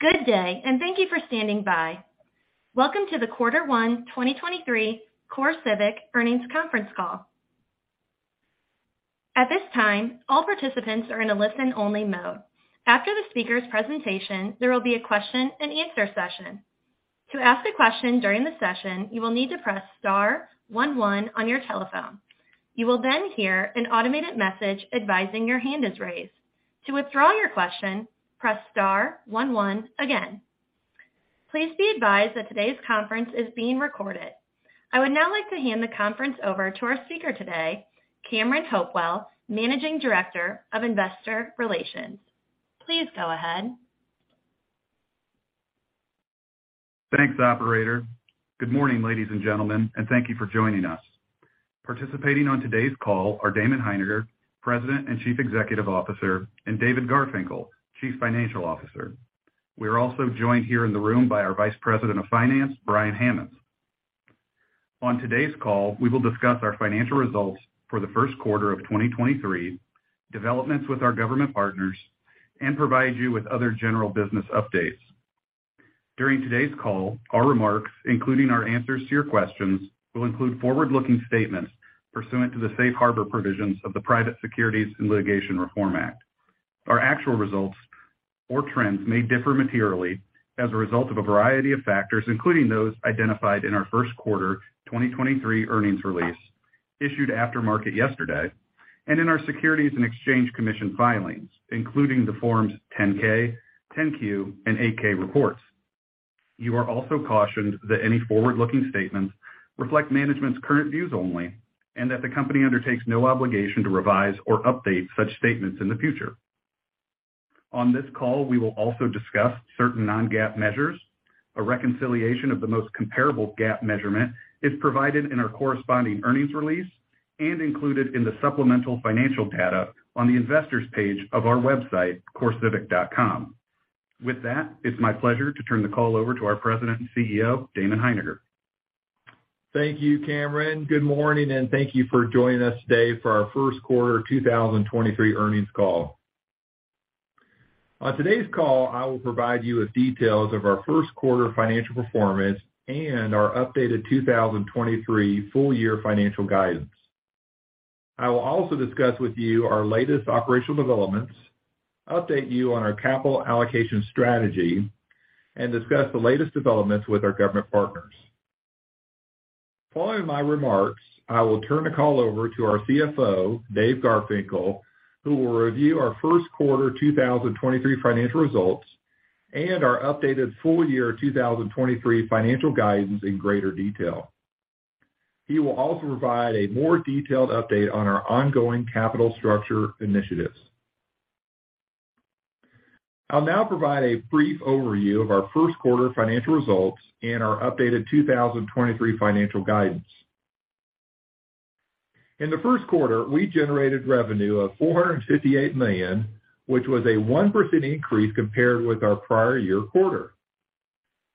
Good day, thank you for standing by. Welcome to the Quarter One 2023 CoreCivic Earnings Conference Call. At this time, all participants are in a listen-only mode. After the speaker's presentation, there will be a question-and-answer session. To ask a question during the session, you will need to press star one one on your telephone. You will hear an automated message advising your hand is raised. To withdraw your question, press star one one again. Please be advised that today's conference is being recorded. I would now like to hand the conference over to our speaker today, Cameron Hopewell, Managing Director of Investor Relations. Please go ahead. Thanks, operator. Good morning, ladies and gentlemen, and thank you for joining us. Participating on today's call are Damon Hininger, President and Chief Executive Officer, and David Garfinkle, Chief Financial Officer. We are also joined here in the room by our Vice President of Finance, Brian Hammonds. On today's call, we will discuss our financial results for the Q1 of 2023, developments with our government partners, and provide you with other general business updates. During today's call, our remarks, including our answers to your questions, will include forward-looking statements pursuant to the safe harbor provisions of the Private Securities and Litigation Reform Act. Our actual results or trends may differ materially as a result of a variety of factors, including those identified in our Q1 2023 earnings release issued after market yesterday and in our Securities and Exchange Commission filings, including the Forms 10-K, 10-Q, and 8-K reports. You are also cautioned that any forward-looking statements reflect management's current views only, and that the company undertakes no obligation to revise or update such statements in the future. On this call, we will also discuss certain non-GAAP measures. A reconciliation of the most comparable GAAP measurement is provided in our corresponding earnings release and included in the supplemental financial data on the investor's page of our website, corecivic.com. With that, it's my pleasure to turn the call over to our President and CEO, Damon Hininger. Thank you, Cameron. Good morning, and thank you for joining us today 2023 earnings call. On today's call, I will provide you with details of our Q1 financial performance and our updated 2023 full year financial guidance. I will also discuss with you our latest operational developments, update you on our capital allocation strategy, and discuss the latest developments with our government partners. Following my remarks, I will turn the call over to our CFO, David Garfinkle, who will review our Q1 2023 financial results and our updated full year 2023 financial guidance in greater detail. He will also provide a more detailed update on our ongoing capital structure initiatives. I'll now provide a brief overview of ouQ1 financial results and our updated 2023 financial guidance. In the Q1, we generated revenue of $458 million, which was a 1% increase compared with our prior year quarter.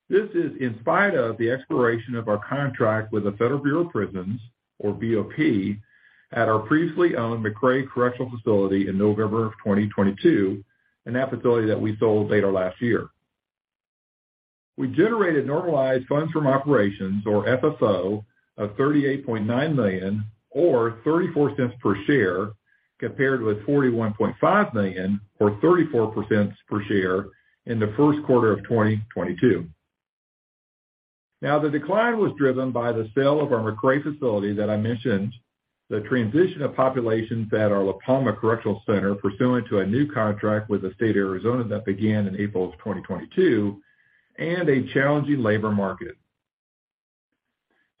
This is in spite of the expiration of our contract with the Federal Bureau of Prisons, or BOP, at our previously owned McRae Correctional Facility in November of 2022, and that facility that we sold later last year. We generated normalized funds from operations, or FFO, of $38.9 million or $0.34 per share, compared with $41.5 million or $0.34 per share in theQ1 of 2022. The decline was driven by the sale of our McRae facility that I mentioned, the transition of populations at our La Palma Correctional Center pursuant to a new contract with the state of Arizona that began in April of 2022, and a challenging labor market.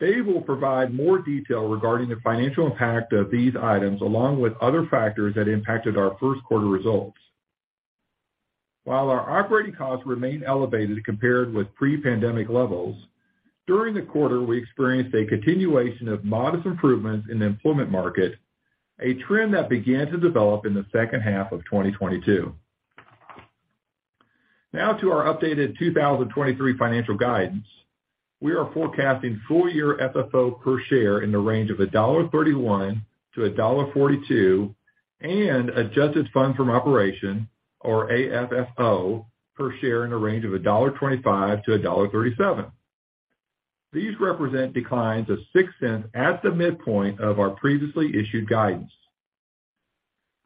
Dave will provide more detail regarding the financial impact of these items, along with other factors that impacted our Q1 results. While our operating costs remain elevated compared with pre-pandemic levels, during the quarter, we experienced a continuation of modest improvements in the employment market, a trend that began to develop in the second half of 2022. Now to our updated 2023 financial guidance. We are forecasting full year FFO per share in the range of $1.31-$1.42, and adjusted funds from operation, or AFFO, per share in a range of $1.25-$1.37. These represent declines of $0.06 at the midpoint of our previously issued guidance.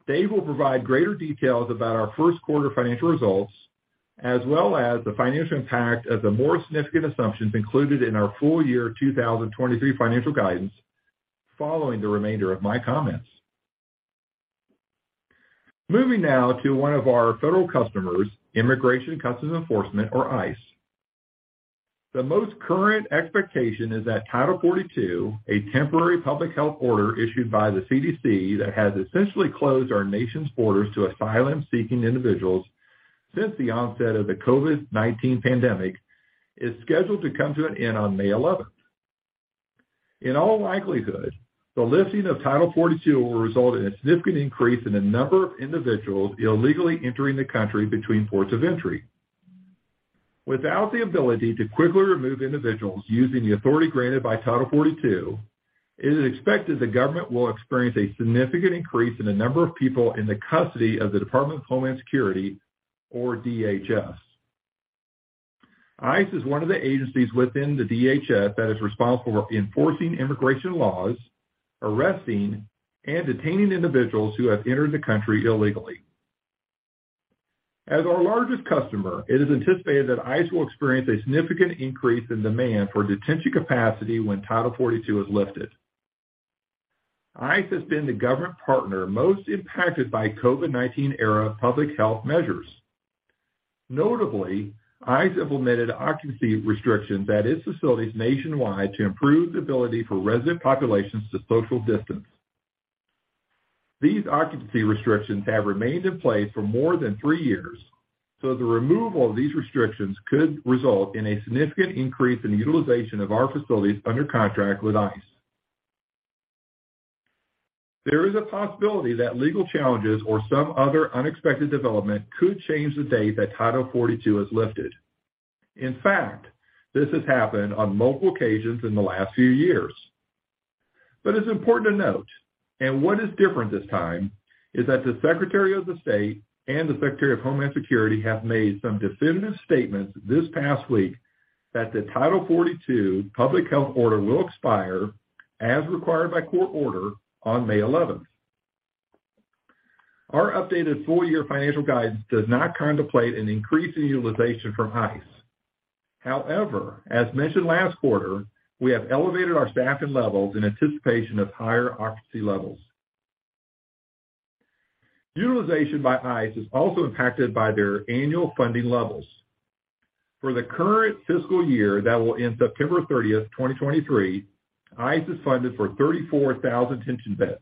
Dave will provide greater details about our Q1 financial results, as well as the financial impact of the more significant assumptions included in our full year 2023 financial guidance following the remainder of my comments. Moving now to one of our federal customers, U.S. Immigration and Customs Enforcement, or ICE. The most current expectation is that Title 42, a temporary public health order issued by the CDC that has essentially closed our nation's borders to asylum-seeking individuals since the onset of the COVID-19 pandemic, is scheduled to come to an end on May 11th. In all likelihood, the lifting of Title 42 will result in a significant increase in the number of individuals illegally entering the country between ports of entry. Without the ability to quickly remove individuals using the authority granted by Title 42, it is expected the government will experience a significant increase in the number of people in the custody of the U.S. Department of Homeland Security or DHS. ICE is one of the agencies within the DHS that is responsible for enforcing immigration laws, arresting, and detaining individuals who have entered the country illegally. As our largest customer, it is anticipated that ICE will experience a significant increase in demand for detention capacity when Title 42 is lifted. ICE has been the government partner most impacted by COVID-19 era public health measures. Notably, ICE implemented occupancy restrictions at its facilities nationwide to improve the ability for resident populations to social distance. These occupancy restrictions have remained in place for more than 3 years, the removal of these restrictions could result in a significant increase in utilization of our facilities under contract with ICE. There is a possibility that legal challenges or some other unexpected development could change the date that Title 42 is lifted. In fact, this has happened on multiple occasions in the last few years. It's important to note, and what is different this time, is that the Secretary of State and the Secretary of Homeland Security have made some definitive statements this past week that the Title 42 public health order will expire as required by court order on May 11th. Our updated full-year financial guidance does not contemplate an increase in utilization from ICE. However, as mentioned last quarter, we have elevated our staffing levels in anticipation of higher occupancy levels. Utilization by ICE is also impacted by their annual funding levels. For the current fiscal year that will end September 30th, 2023, ICE is funded for 34,000 detention beds.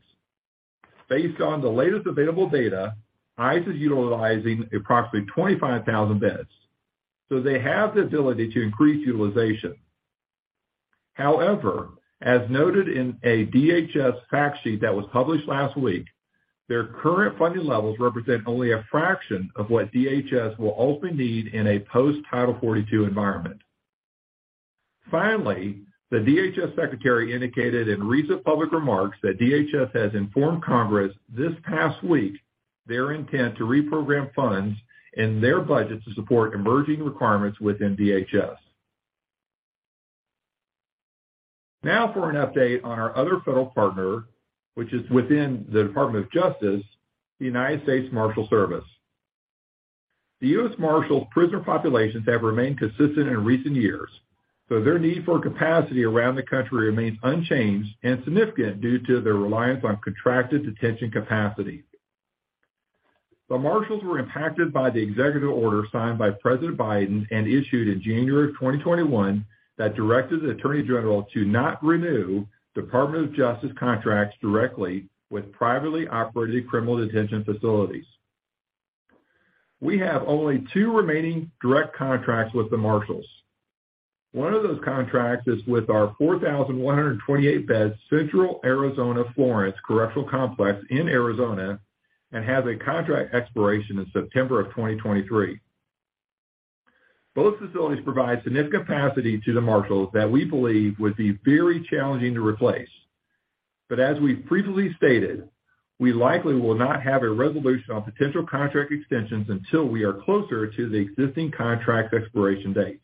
Based on the latest available data, ICE is utilizing approximately 25,000 beds. They have the ability to increase utilization. As noted in a DHS fact sheet that was published last week, their current funding levels represent only a fraction of what DHS will ultimately need in a post-Title 42 environment. The DHS Secretary indicated in recent public remarks that DHS has informed Congress this past week their intent to reprogram funds in their budget to support emerging requirements within DHS. For an update on our other federal partner, which is within the Department of Justice, the United States Marshals Service. The U.S. Marshals prisoner populations have remained consistent in recent years, so their need for capacity around the country remains unchanged and significant due to their reliance on contracted detention capacity. The Marshals were impacted by the executive order signed by President Biden and issued in January of 2021 that directed the Attorney General to not renew Department of Justice contracts directly with privately operated criminal detention facilities. We have only two remaining direct contracts with the Marshals. One of those contracts is with our 4,128 bed Central Arizona Florence Correctional Complex in Arizona and has a contract expiration in September of 2023. Both facilities provide significant capacity to the Marshals that we believe would be very challenging to replace. As we've previously stated, we likely will not have a resolution on potential contract extensions until we are closer to the existing contract expiration dates. We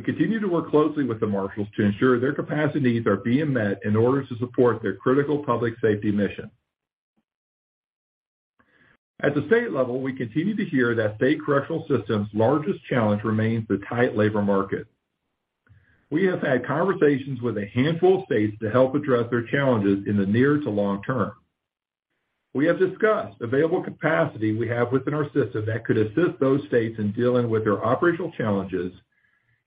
continue to work closely with the Marshals to ensure their capacity needs are being met in order to support their critical public safety mission. At the state level, we continue to hear that state correctional systems' largest challenge remains the tight labor market. We have had conversations with a handful of states to help address their challenges in the near to long term. We have discussed available capacity we have within our system that could assist those states in dealing with their operational challenges.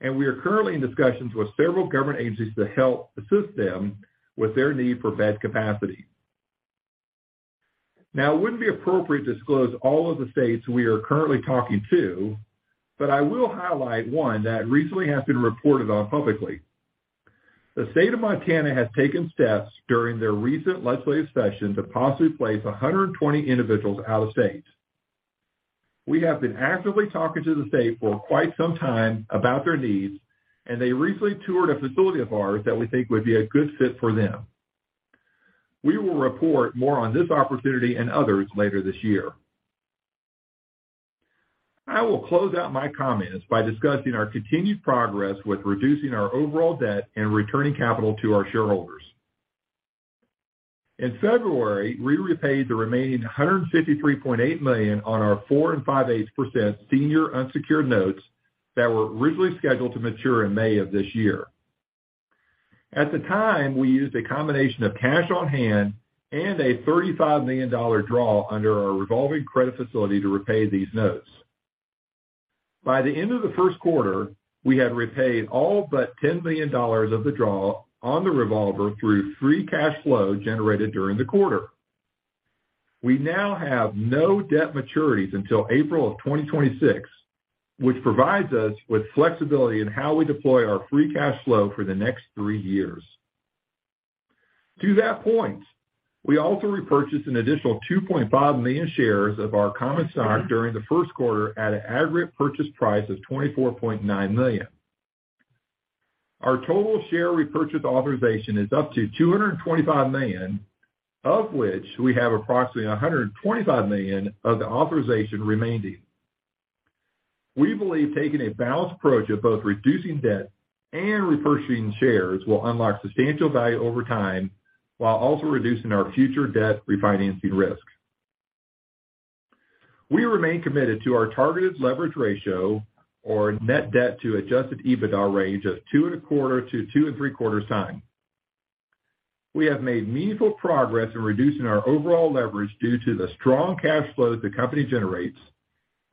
We are currently in discussions with several government agencies to help assist them with their need for bed capacity. It wouldn't be appropriate to disclose all of the states we are currently talking to, but I will highlight one that recently has been reported on publicly. The state of Montana has taken steps during their recent legislative session to possibly place 120 individuals out of state. We have been actively talking to the state for quite some time about their needs, and they recently toured a facility of ours that we think would be a good fit for them. We will report more on this opportunity and others later this year. I will close out my comments by discussing our continued progress with reducing our overall debt and returning capital to our shareholders. In February, we repaid the remaining $153.8 million on our 4.625% senior unsecured notes that were originally scheduled to mature in May of this year. At the time, we used a combination of cash on hand and a $35 million draw under our revolving credit facility to repay these notes. By the end of the first quarter, we had repaid all but $10 million of the draw on the revolver through free cash flow generated during the quarter. We now have no debt maturities until April of 2026, which provides us with flexibility in how we deploy our free cash flow for the next three years. To that point, we also repurchased an additional 2.5 million shares of our common stock during the Q1 at an aggregate purchase price of $24.9 million. Our total share repurchase authorization is up to $225 million, of which we have approximately $125 million of the authorization remaining. We believe taking a balanced approach of both reducing debt and repurchasing shares will unlock substantial value over time, while also reducing our future debt refinancing risk. We remain committed to our targeted leverage ratio or net debt to adjusted EBITDA range of 2.25-2.75 times. We have made meaningful progress in reducing our overall leverage due to the strong cash flow that the company generates,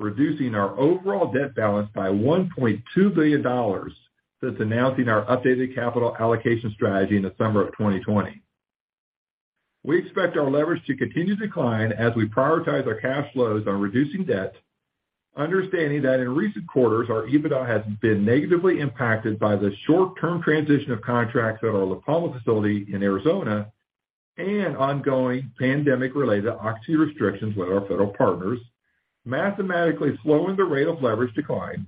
reducing our overall debt balance by $1.2 billion since announcing our updated capital allocation strategy in the summer of 2020. We expect our leverage to continue to decline as we prioritize our cash flows on reducing debt, understanding that in recent quarters, our EBITDA has been negatively impacted by the short-term transition of contracts at our La Palma facility in Arizona and ongoing pandemic-related occupancy restrictions with our federal partners, mathematically slowing the rate of leverage decline,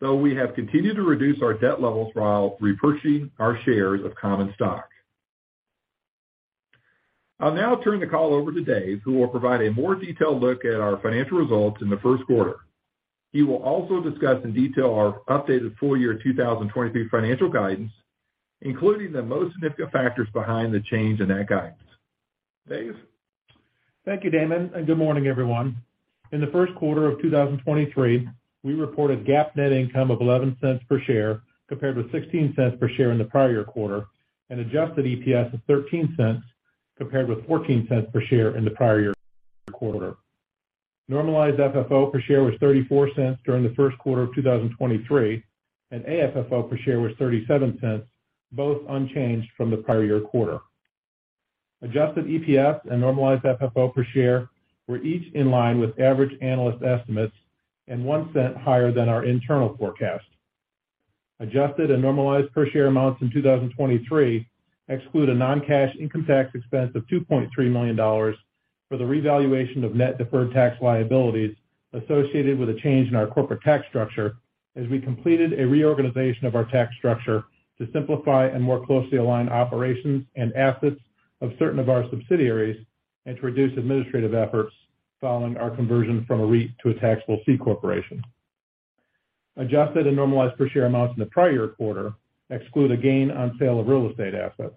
though we have continued to reduce our debt levels while repurchasing our shares of common stock. I'll now turn the call over to Dave, who will provide a more detailed look at our financial results in the Q1. He will also discuss in detail our updated full-year 2023 financial guidance, including the most significant factors behind the change in that guidance. Dave? Thank you, Damon. Good morning, everyone. In the Q1 of 2023, we reported GAAP net income of $0.11 per share, compared with $0.16 per share in the prior quarter, and adjusted EPS of $0.13 compared with $0.14 per share in the prior year quarter. Normalized FFO per share was $0.34 during the Q1 of 2023, and AFFO per share was $0.37, both unchanged from the prior year quarter. Adjusted EPS and normalized FFO per share were each in line with average analyst estimates and $0.01 higher than our internal forecast. Adjusted and normalized per share amounts in 2023 exclude a non-cash income tax expense of $2.3 million for the revaluation of net deferred tax liabilities associated with a change in our corporate tax structure as we completed a reorganization of our tax structure to simplify and more closely align operations and assets of certain of our subsidiaries and to reduce administrative efforts following our conversion from a REIT to a taxable C corporation. Adjusted and normalized per share amounts in the prior year quarter exclude a gain on sale of real estate assets.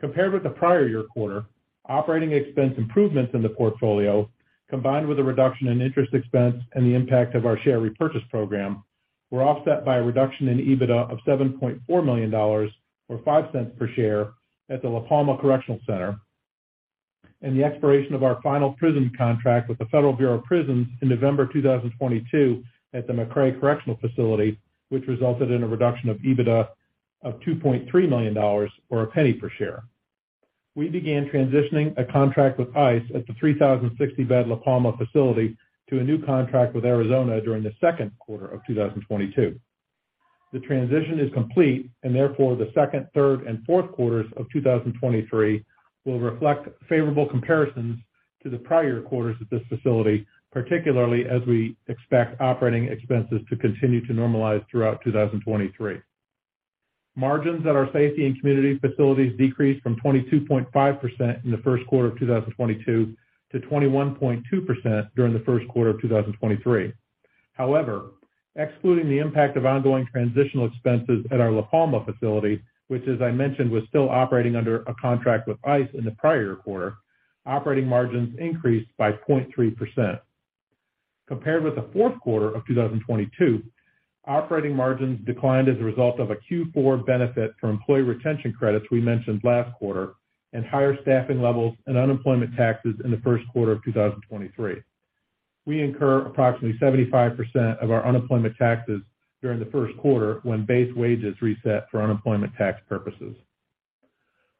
Compared with the prior year quarter, operating expense improvements in the portfolio, combined with a reduction in interest expense and the impact of our share repurchase program, were offset by a reduction in EBITDA of $7.4 million or $0.05 per share at the La Palma Correctional Center and the expiration of our final prison contract with the Federal Bureau of Prisons in November 2022 at the McRae Correctional Facility, which resulted in a reduction of EBITDA of $2.3 million or $0.01 per share. We began transitioning a contract with ICE at the 3,060-bed La Palma facility to a new contract with Arizona during theQ2 of 2022. The transition is complete, and therefore, the second, third, and Q4 of 2023 will reflect favorable comparisons to the prior quarters at this facility, particularly as we expect operating expenses to continue to normalize throughout 2023. Margins at our safety and community facilities decreased from 22.5% in the Q1 of 2022 to 21.2% during the Q1 of 2023. However, excluding the impact of ongoing transitional expenses at our La Palma facility, which, as I mentioned, was still operating under a contract with ICE in the prior quarter, operating margins increased by 0.3%. Compared with theQ4 of 2022, operating margins declined as a result of a Q4 benefit from employee retention credits we mentioned last quarter and higher staffing levels and unemployment taxes in the Q1 of 2023. We incur approximately 75% of our unemployment taxes during the Q1 when base wages reset for unemployment tax purposes.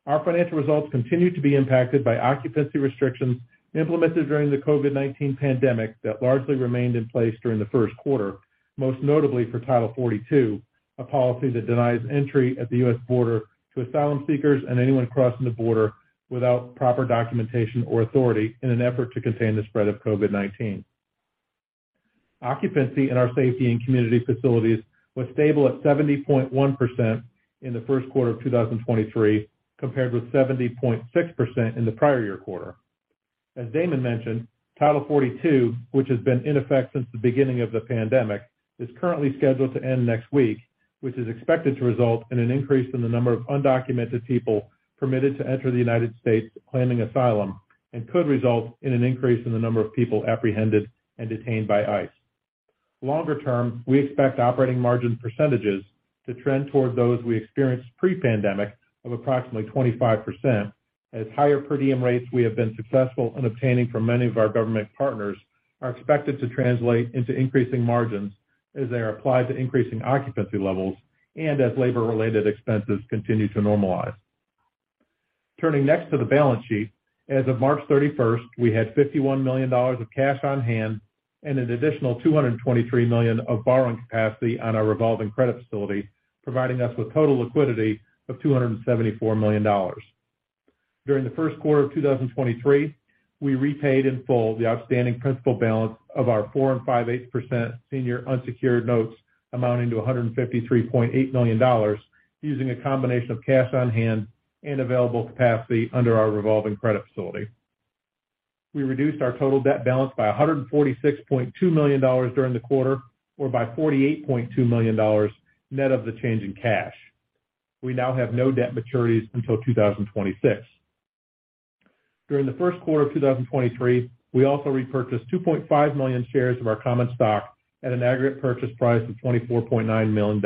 Our financial results continued to be impacted by occupancy restrictions implemented during the COVID-19 pandemic that largely remained in place during the Q1, most notably for Title 42, a policy that denies entry at the U.S. border to asylum seekers and anyone crossing the border without proper documentation or authority in an effort to contain the spread of COVID-19. Occupancy in our safety and community facilities was stable at 70.1% in the Q1 of 2023, compared with 70.6% in the prior year quarter. As Damon mentioned, Title 42, which has been in effect since the beginning of the pandemic, is currently scheduled to end next week, which is expected to result in an increase in the number of undocumented people permitted to enter the United States claiming asylum and could result in an increase in the number of people apprehended and detained by ICE. Longer term, we expect operating margin percentages to trend towards those we experienced pre-pandemic of approximately 25% as higher per diem rates we have been successful in obtaining from many of our government partners are expected to translate into increasing margins as they are applied to increasing occupancy levels and as labor-related expenses continue to normalize. Turning next to the balance sheet. As of March 31st, we had $51 million of cash on hand. An additional $223 million of borrowing capacity on our revolving credit facility, providing us with total liquidity of $274 million. During the Q1 of 2023, we repaid in full the outstanding principal balance of our 4 and 5/8% senior unsecured notes amounting to $153.8 million using a combination of cash on hand and available capacity under our revolving credit facility. We reduced our total debt balance by $146.2 million during the quarter or by $48.2 million net of the change in cash. We now have no debt maturities until 2026. During the Q1 of 2023, we also repurchased 2.5 million shares of our common stock at an aggregate purchase price of $24.9 million.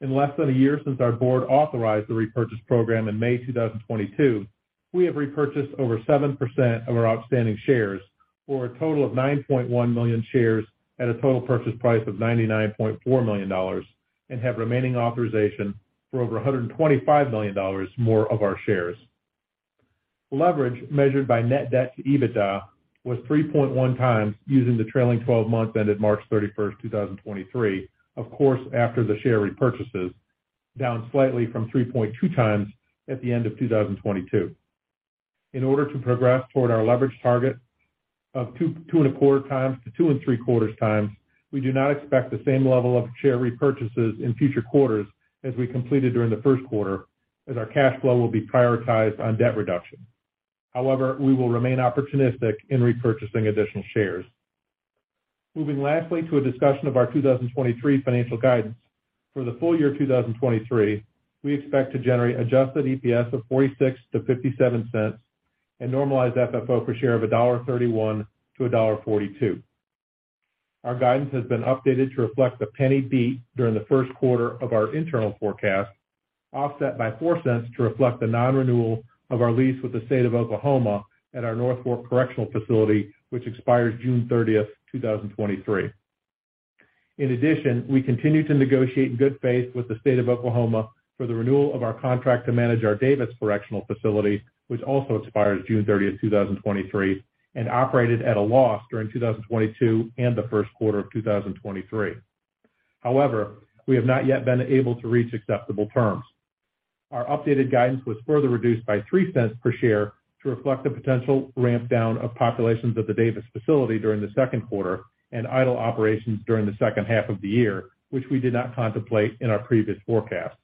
In less than a year since our board authorized the repurchase program in May 2022, we have repurchased over 7% of our outstanding shares for a total of 9.1 million shares at a total purchase price of $99.4 million and have remaining authorization for over $125 million more of our shares. Leverage measured by net debt to EBITDA was 3.1 times using the trailing 12 months ended March 31st, 2023, of course, after the share repurchases, down slightly from 3.2 times at the end of 2022. In order to progress toward our leverage target of two and a quarter times to two and Q3 times, we do not expect the same level of share repurchases in future quarters as we completed during the Q1 as our cash flow will be prioritized on debt reduction. We will remain opportunistic in repurchasing additional shares. Moving lastly to a discussion of our 2023 financial guidance. For the full year 2023, we expect to generate adjusted EPS of $0.46-$0.57 and normalized FFO per share of $1.31-$1.42. Our guidance has been updated to reflect the penny beat during the Q1 of our internal forecast, offset by $0.04 to reflect the non-renewal of our lease with the state of Oklahoma at our North Fork Correctional Facility, which expires June 30th, 2023. In addition, we continue to negotiate in good faith with the state of Oklahoma for the renewal of our contract to manage our Davis Correctional Facility, which also expires June 30th, 2023 and operated at a loss during 2022 and the Q1 of 2023. However, we have not yet been able to reach acceptable terms. Our updated guidance was further reduced by $0.03 per share to reflect the potential ramp down of populations at the Davis facility during the Q2 and idle operations during the second half of the year, which we did not contemplate in our previous forecast.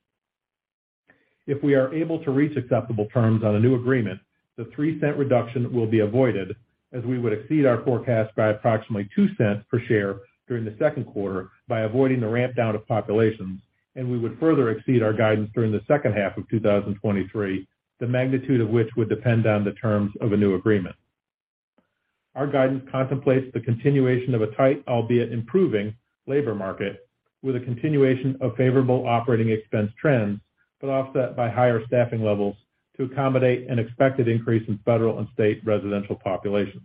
If we are able to reach acceptable terms on a new agreement, the $0.03 reduction will be avoided as we would exceed our forecast by approximately $0.02 per share during the Q2 by avoiding the ramp down of populations, and we would further exceed our guidance during the second half of 2023, the magnitude of which would depend on the terms of a new agreement. Our guidance contemplates the continuation of a tight, albeit improving, labor market with a continuation of favorable operating expense trends, but offset by higher staffing levels to accommodate an expected increase in federal and state residential populations.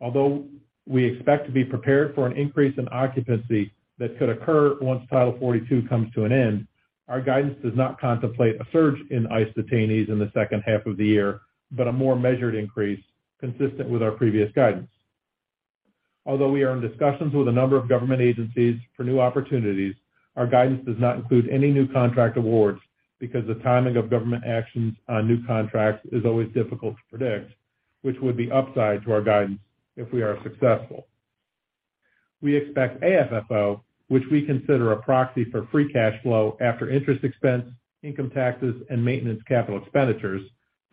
Although we expect to be prepared for an increase in occupancy that could occur once Title 42 comes to an end, our guidance does not contemplate a surge in ICE detainees in the second half of the year, but a more measured increase consistent with our previous guidance. Although we are in discussions with a number of government agencies for new opportunities, our guidance does not include any new contract awards because the timing of government actions on new contracts is always difficult to predict, which would be upside to our guidance if we are successful. We expect AFFO, which we consider a proxy for free cash flow after interest expense, income taxes, and maintenance capital expenditures,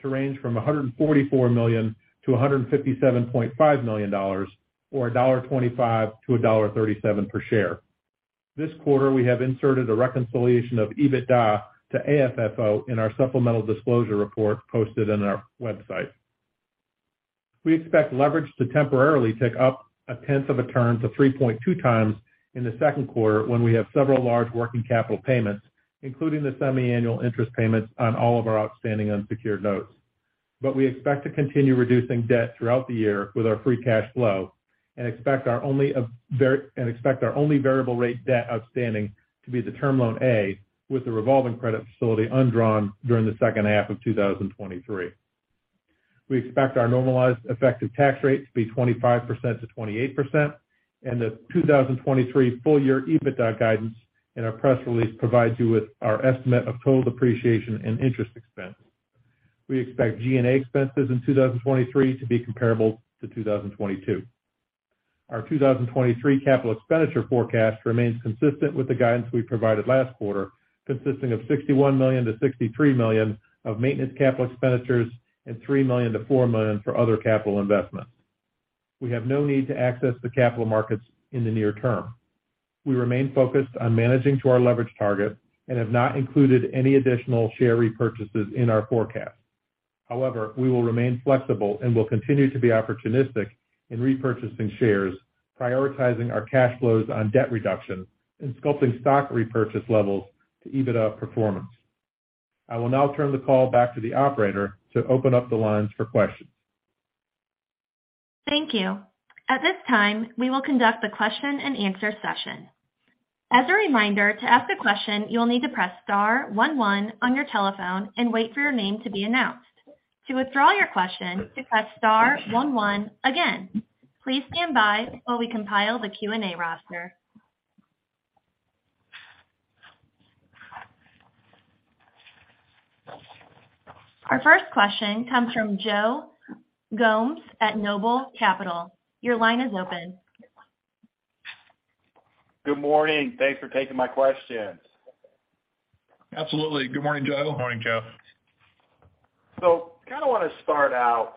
to range from $144 million-$157.5 million or $1.25-$1.37 per share. This quarter, we have inserted a reconciliation of EBITDA to AFFO in our supplemental disclosure report posted on our website. We expect leverage to temporarily tick up 0.1 of a turn to 3.2 times in the Q2 when we have several large working capital payments, including the semiannual interest payments on all of our outstanding unsecured notes. We expect to continue reducing debt throughout the year with our free cash flow and expect our only variable rate debt outstanding to be the term loan A with the revolving credit facility undrawn during the second half of 2023. We expect our normalized effective tax rate to be 25%-28%, and the 2023 full year EBITDA guidance in our press release provides you with our estimate of total depreciation and interest expense. We expect G&A expenses in 2023 to be comparable to 2022. Our 2023 capital expenditure forecast remains consistent with the guidance we provided last quarter, consisting of $61 million-$63 million of maintenance capital expenditures and $3 million-$4 million for other capital investments. We have no need to access the capital markets in the near term. We remain focused on managing to our leverage target and have not included any additional share repurchases in our forecast. We will remain flexible and will continue to be opportunistic in repurchasing shares, prioritizing our cash flows on debt reduction and sculpting stock repurchase levels to EBITDA performance. I will now turn the call back to the operator to open up the lines for questions. Thank you. At this time, we will conduct a question and answer session. As a reminder, to ask a question, you'll need to press star one one on your telephone and wait for your name to be announced. To withdraw your question, press star one one again. Please stand by while we compile the Q&A roster. Our first question comes from Joe Gomes at Noble Capital. Your line is open. Good morning. Thanks for taking my questions. Absolutely. Good morning, Joe. Good morning, Joe. Kind of wanna start out,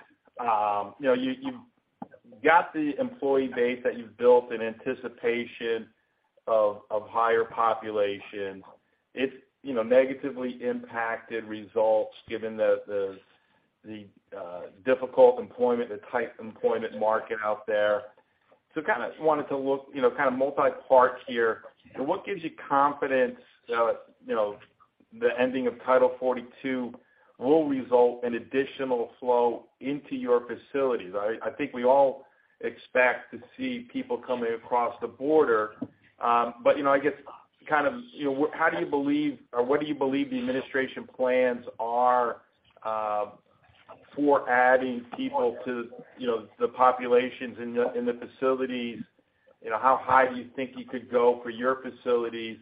you know, you've got the employee base that you've built in anticipation of higher population. It's, you know, negatively impacted results given the difficult employment, the tight employment market out there. Kinda wanted to look, you know, kinda multi-part here. What gives you confidence that, you know, the ending of Title 42 will result in additional flow into your facilities? I think we all expect to see people coming across the border, but, you know, I guess kind of, you know, how do you believe or what do you believe the administration plans are for adding people to, you know, the populations in the facilities? You know, how high do you think you could go for your facilities?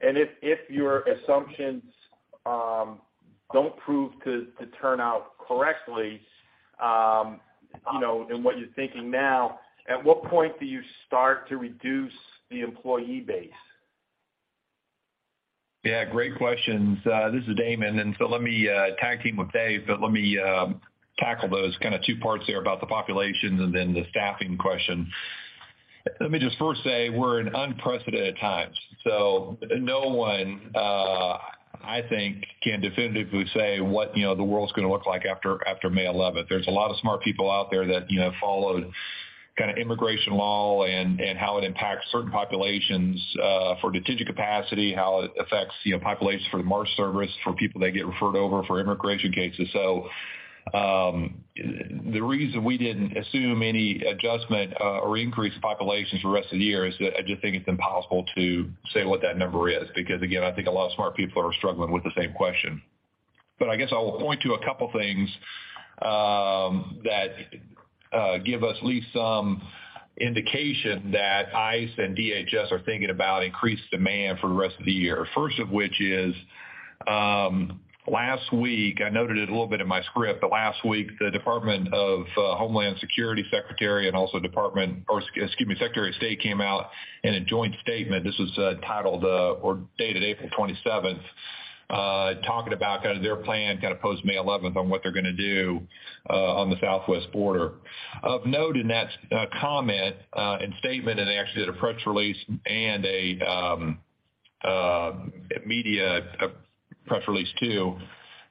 If your assumptions don't prove to turn out correctly, you know, in what you're thinking now, at what point do you start to reduce the employee base? Yeah, great questions. This is Damon, but let me tag team with Dave, but let me tackle those kinda two parts there about the populations and then the staffing question. Let me just first say we're in unprecedented times, so no one I think can definitively say what, you know, the world's gonna look like after May 11th. There's a lot of smart people out there that, you know, followed kinda immigration law and how it impacts certain populations, for detention capacity, how it affects, you know, populations for the Marsh Service, for people that get referred over for immigration cases. The reason we didn't assume any adjustment or increase in populations for the rest of the year is that I just think it's impossible to say what that number is. Because again, I think a lot of smart people are struggling with the same question. But I guess I'll point to a couple things that give us at least some indication that ICE and DHS are thinking about increased demand for the rest of the year. First of which is, last week, I noted it a little bit in my script, but last week, the Secretary of Homeland Security and also Secretary of State came out in a joint statement, this was titled or dated April 27th, talking about kind of their plan kind of post-May 11th on what they're gonna do on the Southwest border. Of note in that comment and statement, and they actually did a press release and a media press release too.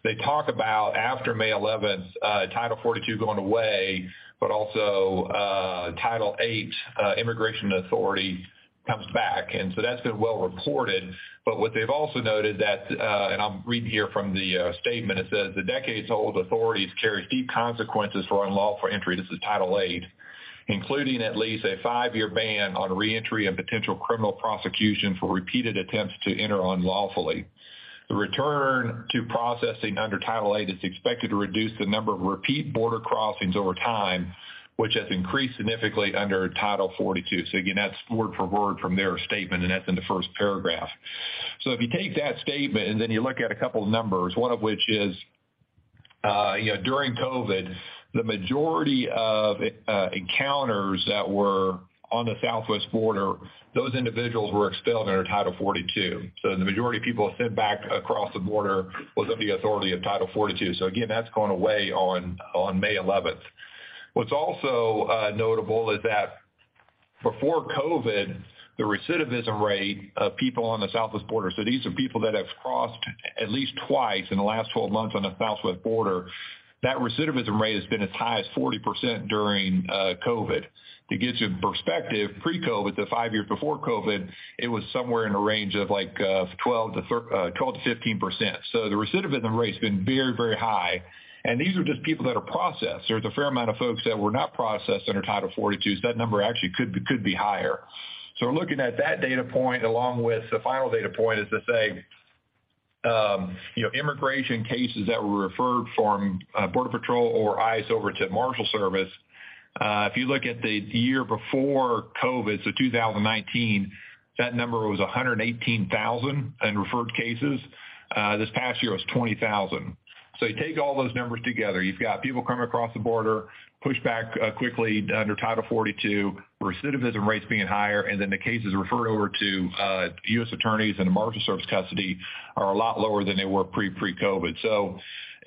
They talk about after May eleventh, Title 42 going away, but also, Title 8, Immigration Authority comes back. That's been well reported. What they've also noted that, and I'm reading here from the statement. It says, "The decades-old authorities carry deep consequences for unlawful entry." This is Title 8. "Including at least a 5-year ban on reentry and potential criminal prosecutions for repeated attempts to enter unlawfully. The return to processing under Title 8 is expected to reduce the number of repeat border crossings over time, which has increased significantly under Title 42." Again, that's word for word from their statement, and that's in the first paragraph. If you take that statement, and then you look at a couple numbers, one of which is, you know, during COVID, the majority of encounters that were on the southwest border, those individuals were expelled under Title 42. The majority of people sent back across the border was under the authority of Title 42. Again, that's gone away on May 11th. What's also notable is that before COVID, the recidivism rate of people on the southwest border, so these are people that have crossed at least twice in the last 12 months on the southwest border, that recidivism rate has been as high as 40% during COVID. To give you perspective, pre-COVID, the five years before COVID, it was somewhere in a range of like 12% to 15%. The recidivism rate has been very, very high. These are just people that are processed. There's a fair amount of folks that were not processed under Title 42, so that number actually could be higher. Looking at that data point along with the final data point is to say, you know, immigration cases that were referred from Border Patrol or ICE over to Marshal Service, if you look at the year before COVID, 2019, that number was 118,000 in referred cases. This past year was 20,000. You take all those numbers together. You've got people coming across the border, pushed back quickly under Title 42, recidivism rates being higher, and then the cases referred over to U.S. attorneys into Marshals Service custody are a lot lower than they were pre-COVID. It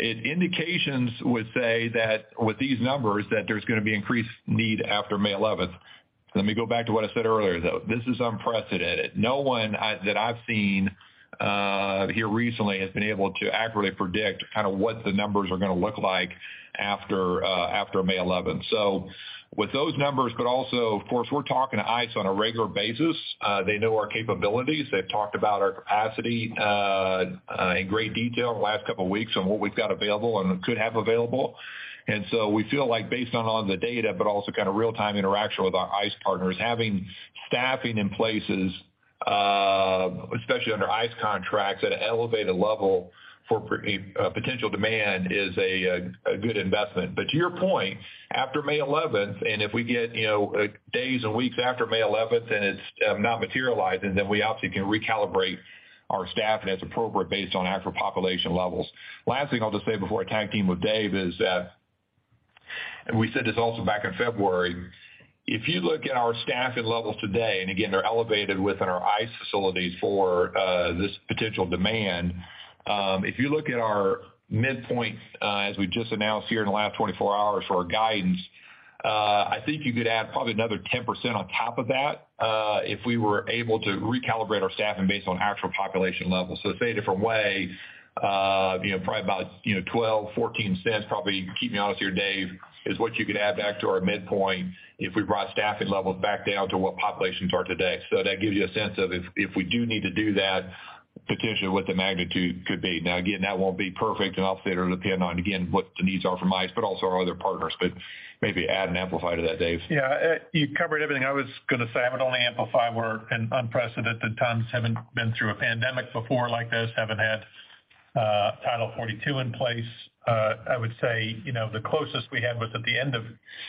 indications would say that with these numbers that there's gonna be increased need after May 11th. Let me go back to what I said earlier, though. This is unprecedented. No one that I've seen here recently has been able to accurately predict kinda what the numbers are gonna look like after May 11th. With those numbers, but also, of course, we're talking to ICE on a regular basis. They know our capabilities. They've talked about our capacity in great detail in the last couple weeks on what we've got available and could have available. We feel like based on the data, but also kinda real-time interaction with our ICE partners, having staffing in places, especially under ICE contracts at an elevated level for potential demand is a good investment. To your point, after May 11th, and if we get, you know, days and weeks after May 11th, and it's not materialized, then we obviously can recalibrate our staffing as appropriate based on actual population levels. Last thing I'll just say before I tag team with Dave is that. We said this also back in February, if you look at our staffing levels today, and again, they're elevated within our ICE facilities for this potential demand. If you look at our midpoint, as we just announced here in the last 24 hours for our guidance, I think you could add probably another 10% on top of that, if we were able to recalibrate our staffing based on actual population levels. To say it a different way, you know, probably about, you know, $0.12, $0.14 probably, keep me honest here, Dave, is what you could add back to our midpoint if we brought staffing levels back down to what populations are today. That gives you a sense of if we do need to do that, potentially what the magnitude could be. Again, that won't be perfect, and obviously it'll depend on, again, what the needs are from ICE, but also our other partners. Maybe add and amplify to that, Dave. Yeah. You covered everything I was gonna say. I would only amplify we're in unprecedented times. Haven't been through a pandemic before like this. Haven't had Title 42 in place. I would say, you know, the closest we had was at the end of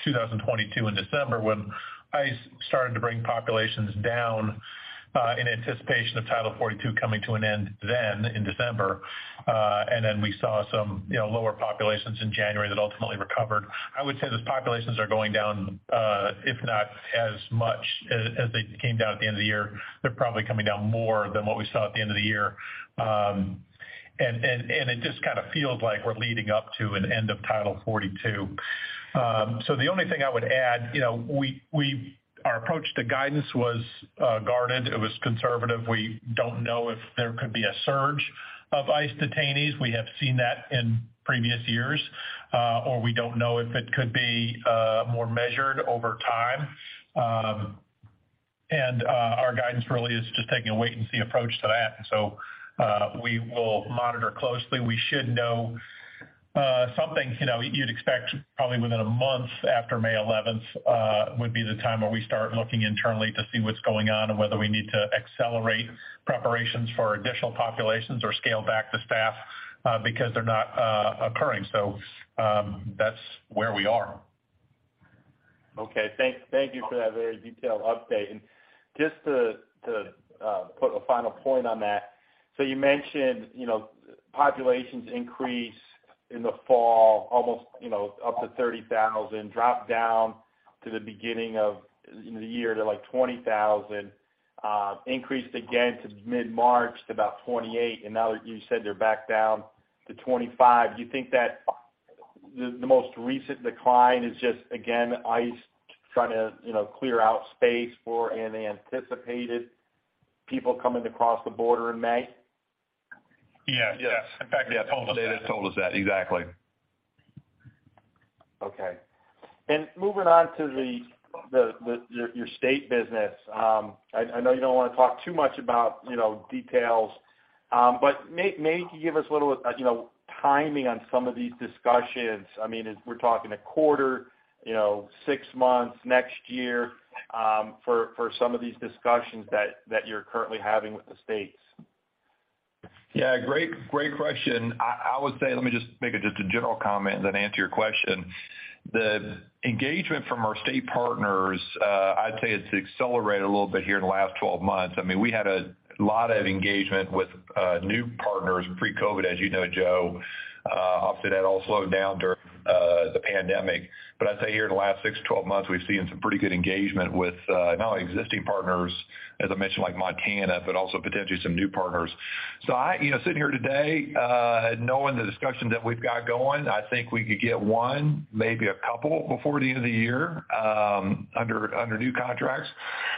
2022 in December, when ICE started to bring populations down in anticipation of Title 42 coming to an end then in December. We saw some, you know, lower populations in January that ultimately recovered. I would say those populations are going down, if not as much as they came down at the end of the year. They're probably coming down more than what we saw at the end of the year. It just kinda feels like we're leading up to an end of Title 42. The only thing I would add, you know, Our approach to guidance was guarded. It was conservative. We don't know if there could be a surge of ICE detainees. We have seen that in previous years. Or we don't know if it could be more measured over time. Our guidance really is just taking a wait-and-see approach to that. We will monitor closely. We should know something, you know, you'd expect probably within a month after May 11th would be the time where we start looking internally to see what's going on and whether we need to accelerate preparations for additional populations or scale back the staff because they're not occurring. That's where we are. Okay. Thank you for that very detailed update. Just to put a final point on that. You mentioned, you know, populations increase in the fall, almost, you know, up to 30,000, dropped down to the beginning of the year to, like, 20,000, increased again to mid-March to about 28,000, now you said they're back down to 25,000. Do you think that the most recent decline is just, again, ICE trying to, you know, clear out space for any anticipated people coming across the border in May? Yeah. Yes. Yeah, told us that. They just told us that, exactly. Okay. Moving on to your state business, I know you don't wanna talk too much about, you know, details, maybe you give us a little, you know, timing on some of these discussions. I mean, is we're talking a quarter, you know, 6 months, next year, for some of these discussions that you're currently having with the states. Yeah, great question. I would say, let me just make a general comment, then answer your question. The engagement from our state partners, I'd say it's accelerated a little bit here in the last 12 months. I mean, we had a lot of engagement with new partners pre-COVID, as you know, Joe Gomes. Obviously that all slowed down during the pandemic. I'd say here in the last 6-12 months, we've seen some pretty good engagement with not only existing partners, as I mentioned, like Montana, but also potentially some new partners. You know, sitting here today, knowing the discussions that we've got going, I think we could get 1, maybe a couple before the end of the year, under new contracts.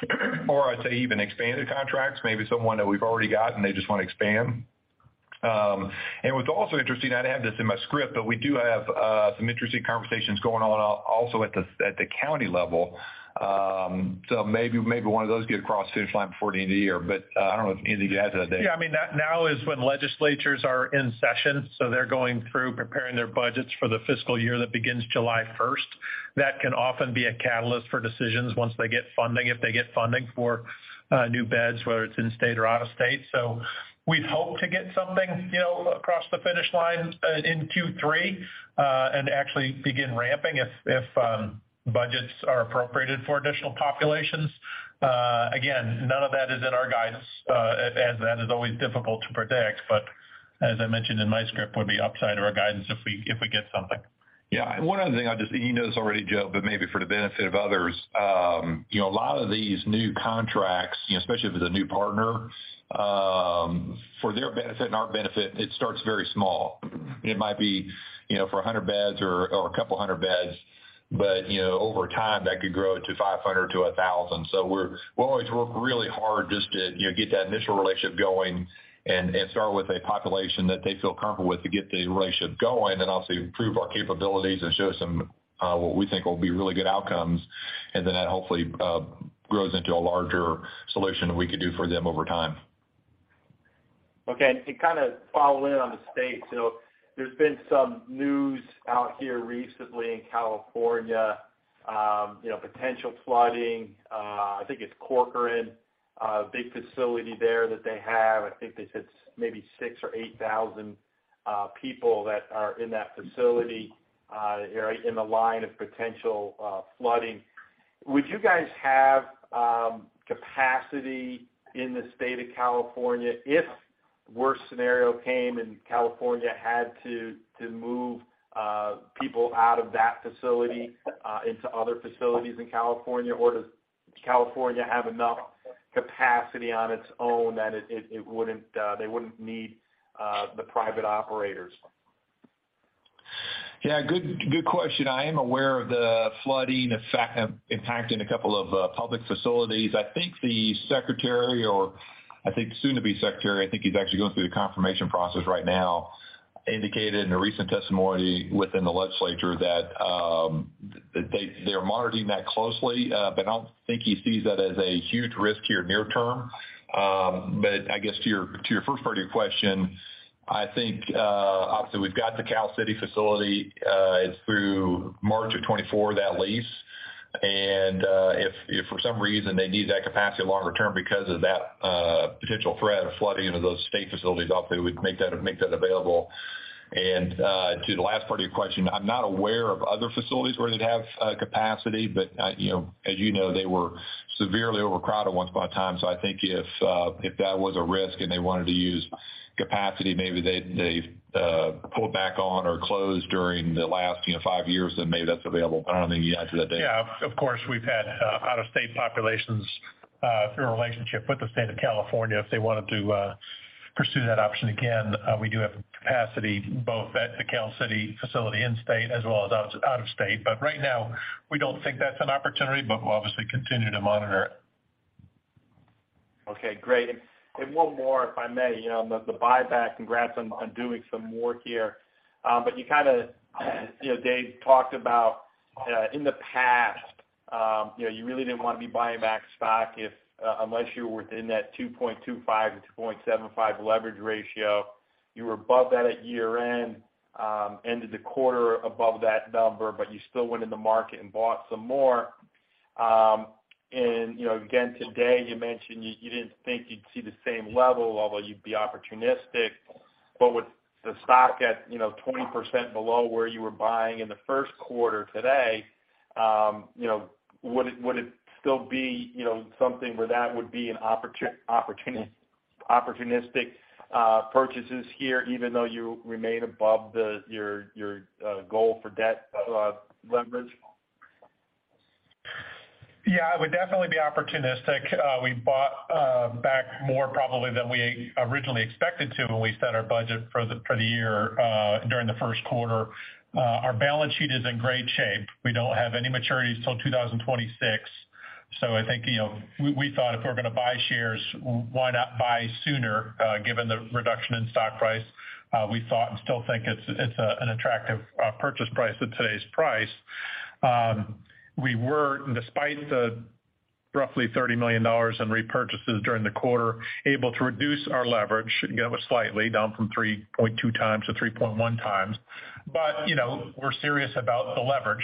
I'd say even expanded contracts, maybe someone that we've already got and they just wanna expand. What's also interesting, I'd add this in my script, but we do have some interesting conversations going on also at the county level. Maybe one of those get across the finish line before the end of the year. I don't know if you have to add to that, Dave Garfinkel. I mean, now is when legislatures are in session, they're going through preparing their budgets for the fiscal year that begins July first. That can often be a catalyst for decisions once they get funding, if they get funding for new beds, whether it's in state or out of state. We'd hope to get something, you know, across the finish line, in Q3, and actually begin ramping if budgets are appropriated for additional populations. Again, none of that is in our guidance, as that is always difficult to predict, but as I mentioned in my script, would be upside to our guidance if we get something. Yeah. One other thing. You know this already, Joe, but maybe for the benefit of others. You know, a lot of these new contracts, especially if it's a new partner, for their benefit and our benefit, it starts very small. It might be, you know, for 100 beds or a couple hundred beds, but, you know, over time, that could grow to 500-1,000. We'll always work really hard just to, you know, get that initial relationship going and start with a population that they feel comfortable with to get the relationship going and obviously improve our capabilities and show some, what we think will be really good outcomes. Then that hopefully grows into a larger solution that we could do for them over time. Okay. To kind of follow in on the states, you know, there's been some news out here recently in California, you know, potential flooding. I think it's Corcoran, big facility there that they have. I think they said maybe 6,000 or 8,000 people that are in that facility are in the line of potential flooding. Would you guys have capacity in the state of California if worst scenario came and California had to move people out of that facility into other facilities in California? Does California have enough capacity on its own that it wouldn't, they wouldn't need the private operators? Good question. I am aware of the flooding effect impacting a couple of public facilities. I think the Secretary or I think soon to be Secretary, I think he's actually going through the confirmation process right now, indicated in a recent testimony within the legislature that they are monitoring that closely. I don't think he sees that as a huge risk here near term. I guess to your first part of your question, I think, obviously we've got the Cal City facility is through March of 2024, that lease. If for some reason they need that capacity longer term because of that potential threat of flooding into those state facilities, obviously we'd make that available. To the last part of your question, I'm not aware of other facilities where they'd have capacity, you know, as you know, they were severely overcrowded once upon a time. I think if that was a risk and they wanted to use capacity, maybe they pulled back on or closed during the last, you know, 5 years, maybe that's available. I don't know the answer to that, Dave. Yeah, of course, we've had, out-of-state populations, through a relationship with the state of California. If they wanted to pursue that option again, we do have capacity both at the Cal City facility in state as well as out of state. Right now we don't think that's an opportunity, but we'll obviously continue to monitor it. Okay, great. One more, if I may. You know, the buyback, congrats on doing some more here. You kind of, you know, Dave talked about, in the past, you know, you really didn't want to be buying back stock if, unless you were within that 2.25-2.75 leverage ratio. You were above that at year-end, ended the quarter above that number, but you still went in the market and bought some more. You know, again, today, you mentioned you didn't think you'd see the same level, although you'd be opportunistic. With the stock at, you know, 20% below where you were buying in the Q1 today, you know, would it still be, you know, something where that would be an opportunity, opportunistic, purchases here, even though you remain above the, your, goal for debt, leverage? Yeah, it would definitely be opportunistic. We bought back more probably than we originally expected to when we set our budget for the year during the Q1. Our balance sheet is in great shape. We don't have any maturities till 2026. I think, you know, we thought if we're gonna buy shares, why not buy sooner given the reduction in stock price? We thought and still think it's an attractive purchase price at today's price. We were, despite the roughly $30 million in repurchases during the quarter, able to reduce our leverage, you know, slightly down from 3.2 times to 3.1 times. You know, we're serious about the leverage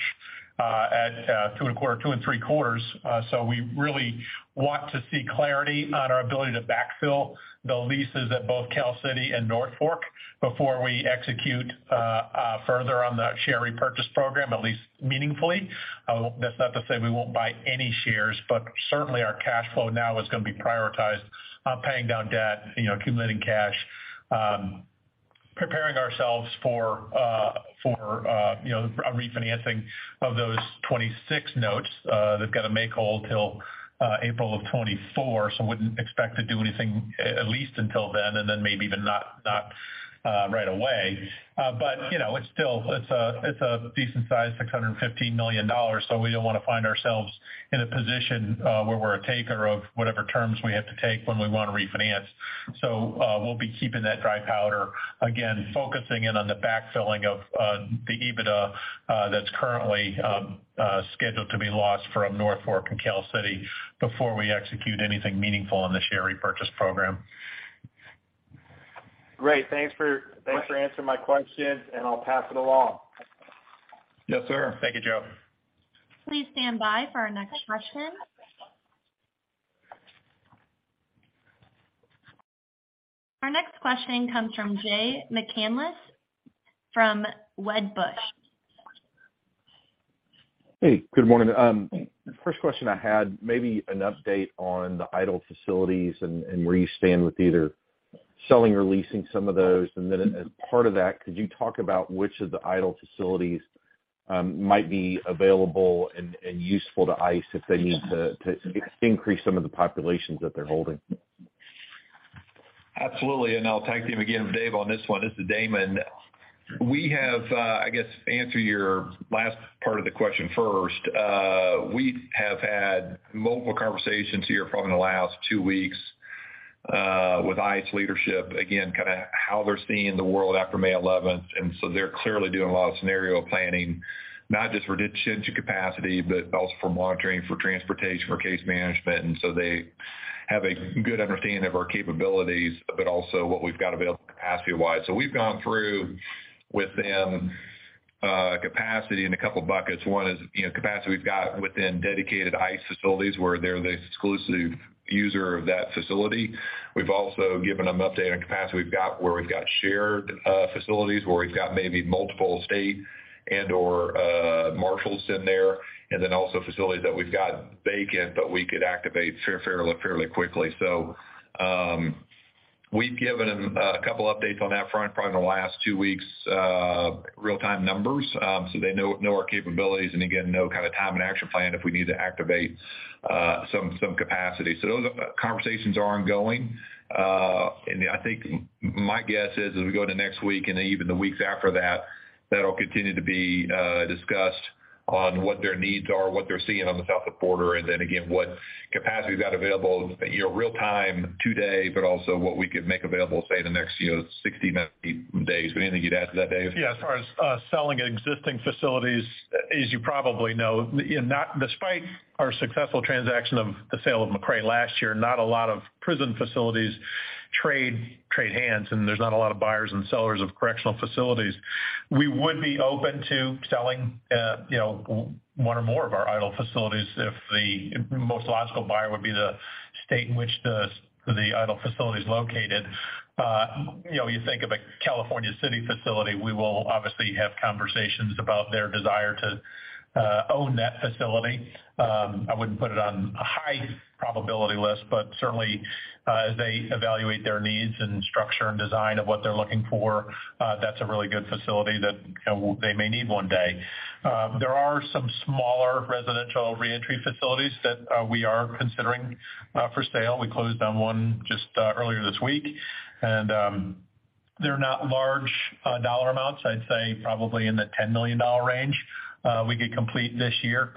at 2.25, 2.75. We really want to see clarity on our ability to backfill the leases at both Cal City and North Fork before we execute further on that share repurchase program, at least meaningfully. That's not to say we won't buy any shares, but certainly our cash flow now is gonna be prioritized on paying down debt, you know, accumulating cash, preparing ourselves for, you know, a refinancing of those 26 notes that's got a make whole till April of 2024. Wouldn't expect to do anything, at least until then, and then maybe even not right away. But, you know, it's still, it's a, it's a decent size, $615 million. We don't wanna find ourselves in a position, where we're a taker of whatever terms we have to take when we wanna refinance. We'll be keeping that dry powder, again, focusing in on the backfilling of the EBITDA that's currently scheduled to be lost from North Fork and Cal City before we execute anything meaningful on the share repurchase program. Great. Thanks for, thanks for answering my questions. I'll pass it along. Yes, sir. Thank you, Joe. Please stand by for our next question. Our next question comes from Jay McCanless from Wedbush. Hey, good morning. First question I had, maybe an update on the idle facilities and where you stand with either selling or leasing some of those. As part of that, could you talk about which of the idle facilities might be available and useful to ICE if they need to increase some of the populations that they're holding? Absolutely. I'll tag team again with Dave on this one. This is Damon. We have, I guess to answer your last part of the question first. We have had multiple conversations here probably in the last 2 weeks, with ICE leadership, again, kind of how they're seeing the world after May 11. they have a good understanding of our capabilities, but also what we've got available capacity-wise. we've gone through with them, capacity in 2 buckets. One is, you know, capacity we've got within dedicated ICE facilities, where they're the exclusive user of that facility. We've also given them update on capacity we've got where we've got shared facilities, where we've got maybe multiple state and/or marshals in there. Then also facilities that we've got vacant, but we could activate fairly quickly. We've given them a couple updates on that front, probably in the last two weeks, real-time numbers, so they know our capabilities and again, know kind of time and action plan if we need to activate some capacity. Those conversations are ongoing. I think my guess is as we go to next week and even the weeks after that'll continue to be discussed on what their needs are, what they're seeing on the south of border, and then again, what capacity we've got available, you know, real time today, but also what we could make available, say, in the next, you know, 60, 90 days. Anything you'd add to that, Dave? As far as selling existing facilities, as you probably know, Despite our successful transaction of the sale of McRae last year, not a lot of prison facilities trade hands, and there's not a lot of buyers and sellers of correctional facilities. We would be open to selling, you know, one or more of our idle facilities if the most logical buyer would be the state in which the idle facility is located. You know, you think of a California City facility, we will obviously have conversations about their desire to own that facility. I wouldn't put it on a high probability list, but certainly, as they evaluate their needs and structure and design of what they're looking for, that's a really good facility that they may need one day. There are some smaller residential reentry facilities that we are considering for sale. We closed on one just earlier this week. They're not large dollar amounts. I'd say probably in the $10 million range we could complete this year.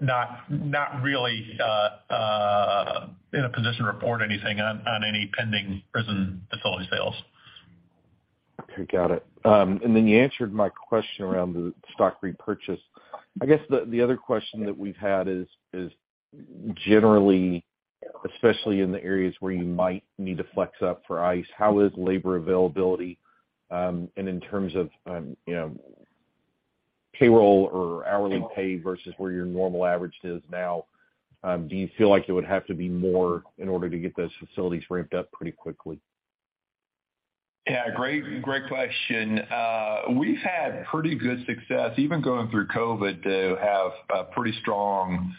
Not really in a position to report anything on any pending prison facility sales. Okay. Got it. Then you answered my question around the stock repurchase. I guess the other question that we've had is generally, especially in the areas where you might need to flex up for ICE, how is labor availability? In terms of payroll or hourly pay versus where your normal average is now, do you feel like it would have to be more in order to get those facilities ramped up pretty quickly? Yeah. Great question. We've had pretty good success, even going through COVID, to have pretty strong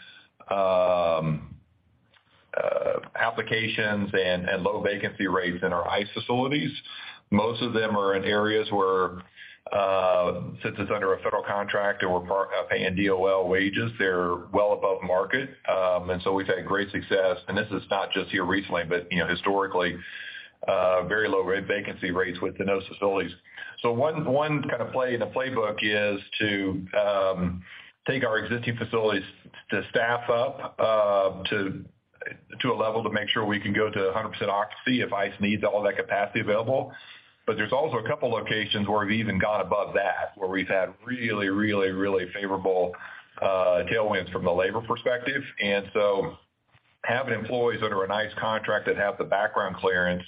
applications and low vacancy rates in our ICE facilities. Most of them are in areas where since it's under a federal contract and we're paying DOL wages, they're well above market. We've had great success. This is not just here recently, but, you know, historically, very low vacancy rates within those facilities. One kind of play in the playbook is to take our existing facilities to staff up to a level to make sure we can go to 100% occupancy if ICE needs all that capacity available. There's also a couple locations where we've even gone above that, where we've had really favorable tailwinds from the labor perspective. Having employees under an ICE contract that have the background clearance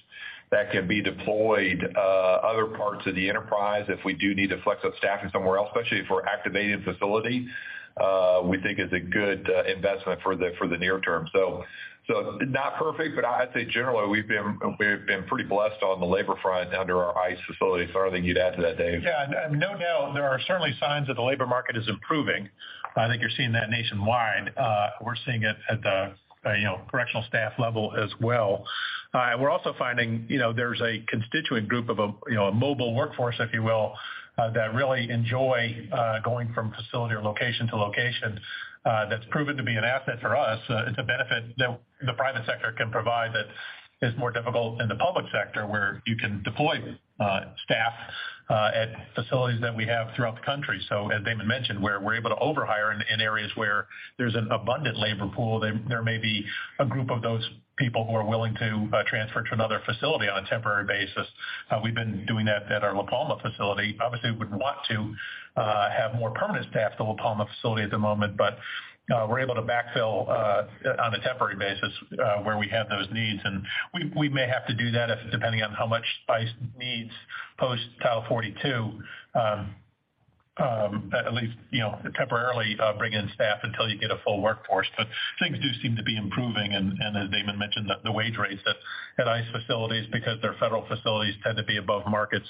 that can be deployed, other parts of the enterprise if we do need to flex up staffing somewhere else, especially if we're activating a facility, we think is a good investment for the near term. Not perfect, but I'd say generally, we've been pretty blessed on the labor front under our ICE facilities. Is there anything you'd add to that, Dave? No doubt. There are certainly signs that the labor market is improving. I think you're seeing that nationwide. We're seeing it at the, you know, correctional staff level as well. And we're also finding, you know, there's a constituent group of a, you know, a mobile workforce, if you will, that really enjoy going from facility or location to location. That's proven to be an asset for us. It's a benefit that the private sector can provide that is more difficult in the public sector, where you can deploy staff at facilities that we have throughout the country. As Damon mentioned, we're able to overhire in areas where there's an abundant labor pool. There may be a group of those people who are willing to transfer to another facility on a temporary basis. We've been doing that at our La Palma facility. Obviously, we would want to have more permanent staff at the La Palma facility at the moment, but we're able to backfill on a temporary basis where we have those needs. We may have to do that if depending on how much ICE needs post Title 42, at least, you know, temporarily, bring in staff until you get a full workforce. Things do seem to be improving. As Damon mentioned, the wage rates at ICE facilities because they're federal facilities tend to be above market.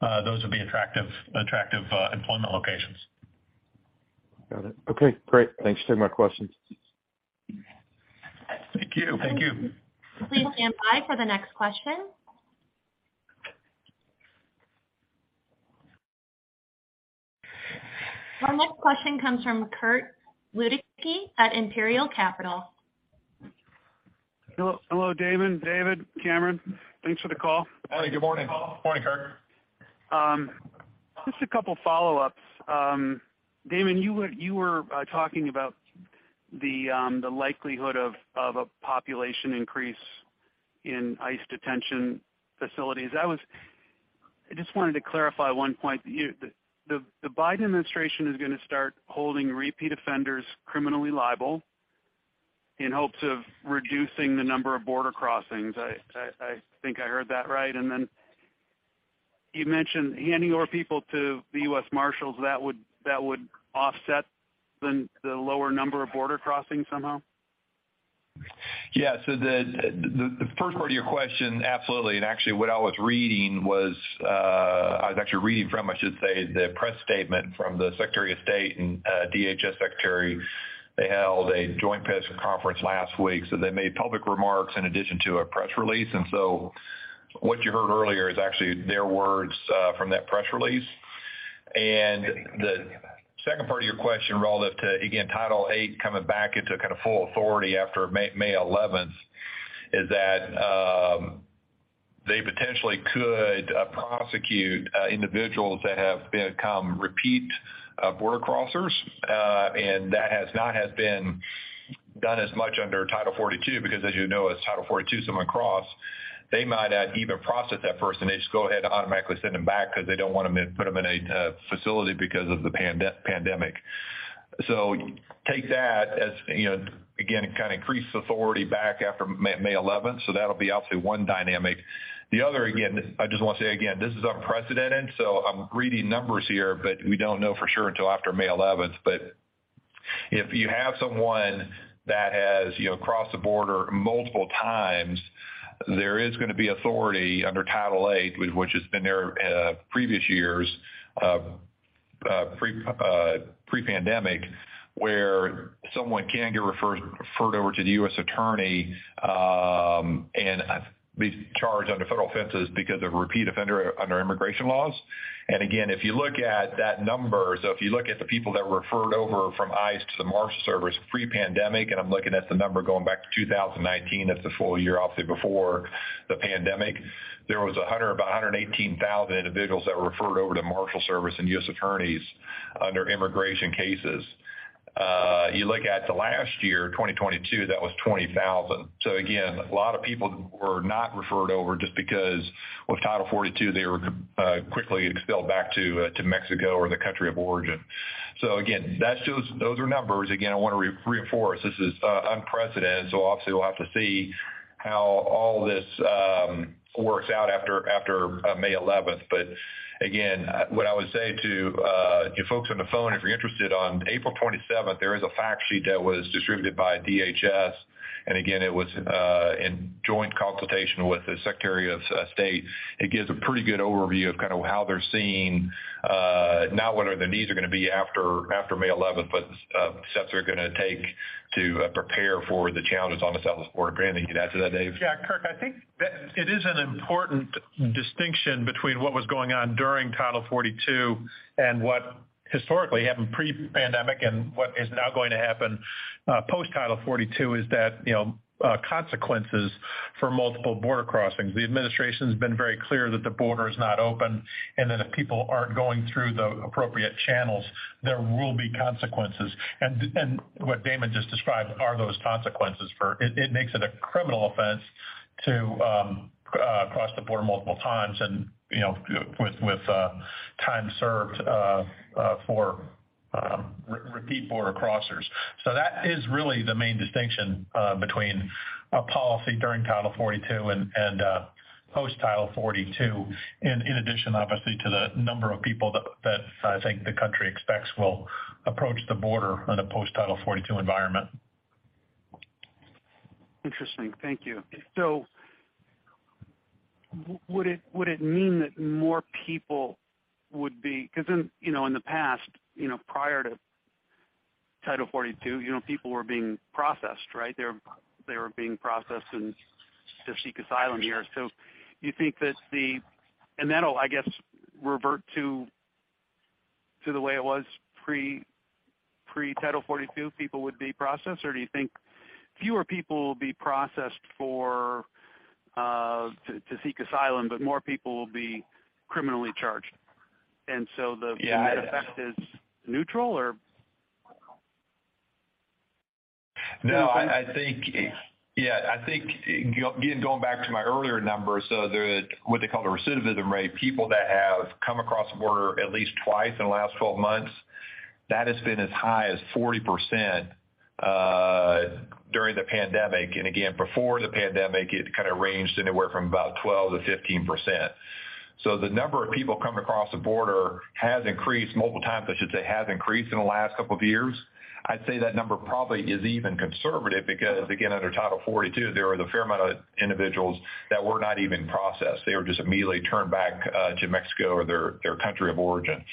Those would be attractive employment locations. Got it. Okay. Great. Thanks for taking my questions. Thank you. Thank you. Please stand by for the next question. Our next question comes from Kirk Ludtke at Imperial Capital. Hello, Damon, David, Cameron. Thanks for the call. Hi. Good morning. Morning, Kirk. Just a couple follow-ups. Damon, you were talking about the likelihood of a population increase in ICE detention facilities. I just wanted to clarify one point. The Biden administration is gonna start holding repeat offenders criminally liable in hopes of reducing the number of border crossings. I think I heard that right? Then you mentioned handing over people to the U.S. Marshals that would offset the lower number of border crossings somehow? The first part of your question, absolutely. Actually, what I was reading was, I was actually reading from, I should say, the press statement from the Secretary of State and DHS Secretary. They held a joint press conference last week, they made public remarks in addition to a press release. What you heard earlier is actually their words from that press release. The second part of your question relative to, again, Title 8 coming back into kind of full authority after May eleventh, is that, they potentially could prosecute individuals that have become repeat border crossers. That has not have been done as much under Title 42 because as you know, as Title 42, someone cross, they might not even process that person. They just go ahead and automatically send them back because they don't want to put them in a facility because of the pandemic. Take that as, you know, again, it kind of increases authority back after May 11th. That'll be obviously one dynamic. The other, again, I just want to say again, this is unprecedented, so I'm reading numbers here, but we don't know for sure until after May 11th. If you have someone that has, you know, crossed the border multiple times, there is gonna be authority under Title 8, which has been there previous years pre-pandemic, where someone can get referred over to the U.S. Attorney and be charged under federal offenses because of repeat offender under immigration laws. Again, if you look at that number, if you look at the people that were referred over from ICE to the Marshals Service pre-pandemic, and I'm looking at the number going back to 2019, that's the full year, obviously, before the pandemic, there was about 118,000 individuals that were referred over to Marshals Service and U.S. attorneys under immigration cases. You look at the last year, 2022, that was 20,000. Again, a lot of people were not referred over just because with Title 42, they were quickly expelled back to Mexico or the country of origin. Again, that shows those are numbers. Again, I want to reiterate for us, this is unprecedented. Obviously we'll have to see how all this works out after May 11th. Again, what I would say to you folks on the phone, if you're interested, on April 27th, there is a fact sheet that was distributed by DHS. Again, it was in joint consultation with the Secretary of State. It gives a pretty good overview of kind of how they're seeing, not what are the needs are gonna be after May 11th, but steps they're gonna take to prepare for the challenges on the south of the border. Grant, can you add to that, Dave? Yeah, Kirk, I think it is an important distinction between what was going on during Title 42 and what historically happened pre-pandemic and what is now going to happen, post Title 42, is that, you know, consequences for multiple border crossings. The administration's been very clear that the border is not open and that if people aren't going through the appropriate channels, there will be consequences. What Damon just described are those consequences. It makes it a criminal offense to cross the border multiple times and, you know, with time served for repeat border crossers. That is really the main distinction between a policy during Title 42 and post Title 42. in addition, obviously, to the number of people that I think the country expects will approach the border in a post-Title 42 environment. Interesting. Thank you. Would it mean that more people would be... 'Cause in, you know, in the past, you know, prior to Title 42, you know, people were being processed, right? They were being processed and to seek asylum here. You think that the... that'll, I guess, revert to the way it was pre Title 42, people would be processed? Do you think fewer people will be processed for to seek asylum, but more people will be criminally charged? Yeah. net effect is neutral or... No, I think, yeah, I think going back to my earlier number, so there, what they call the recidivism rate, people that have come across the border at least twice in the last 12 months, that has been as high as 40% during the pandemic. Again, before the pandemic, it kind of ranged anywhere from about 12%-15%. The number of people coming across the border has increased multiple times, I should say, has increased in the last couple of years. I'd say that number probably is even conservative because, again, under Title 42, there are the fair amount of individuals that were not even processed. They were just immediately turned back to Mexico or their country of origin.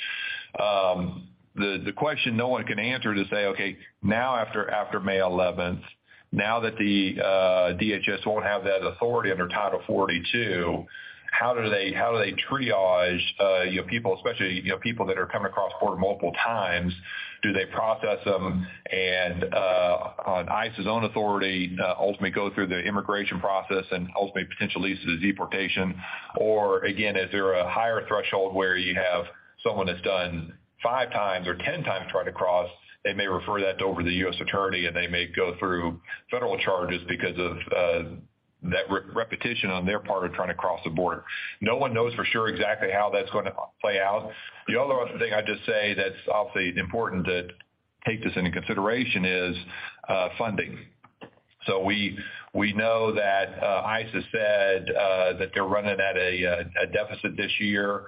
The question no one can answer to say, okay, now after May 11, now that the DHS won't have that authority under Title 42, how do they, how do they triage, you know, people, especially, you know, people that are coming across port multiple times? Do they process them and on ICE's own authority, ultimately go through the immigration process and ultimately potentially leads to deportation? Again, is there a higher threshold where you have someone that's done 5 times or 10 times tried to cross, they may refer that over to the U.S. Attorney, and they may go through federal charges because of repetition on their part of trying to cross the border. No one knows for sure exactly how that's gonna play out. The other thing I'd just say that's obviously important to take this into consideration is funding. We know that ICE has said that they're running at a deficit this year.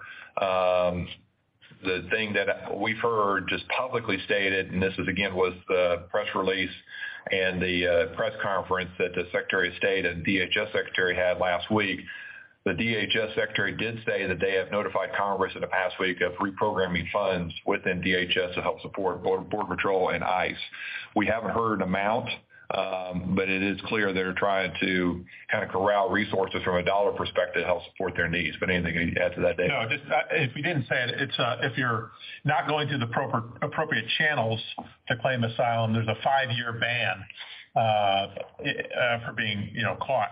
The thing that we've heard just publicly stated, and this is again, was the press release and the press conference that the Secretary of State and DHS Secretary had last week. The DHS Secretary did say that they have notified Congress in the past week of reprogramming funds within DHS to help support Border Patrol and ICE. We haven't heard an amount, but it is clear they're trying to kind of corral resources from a dollar perspective to help support their needs. Anything to add to that, Dave? No, just, if you didn't say it's, if you're not going through the proper-appropriate channels to claim asylum, there's a five-year ban, for being, you know, caught.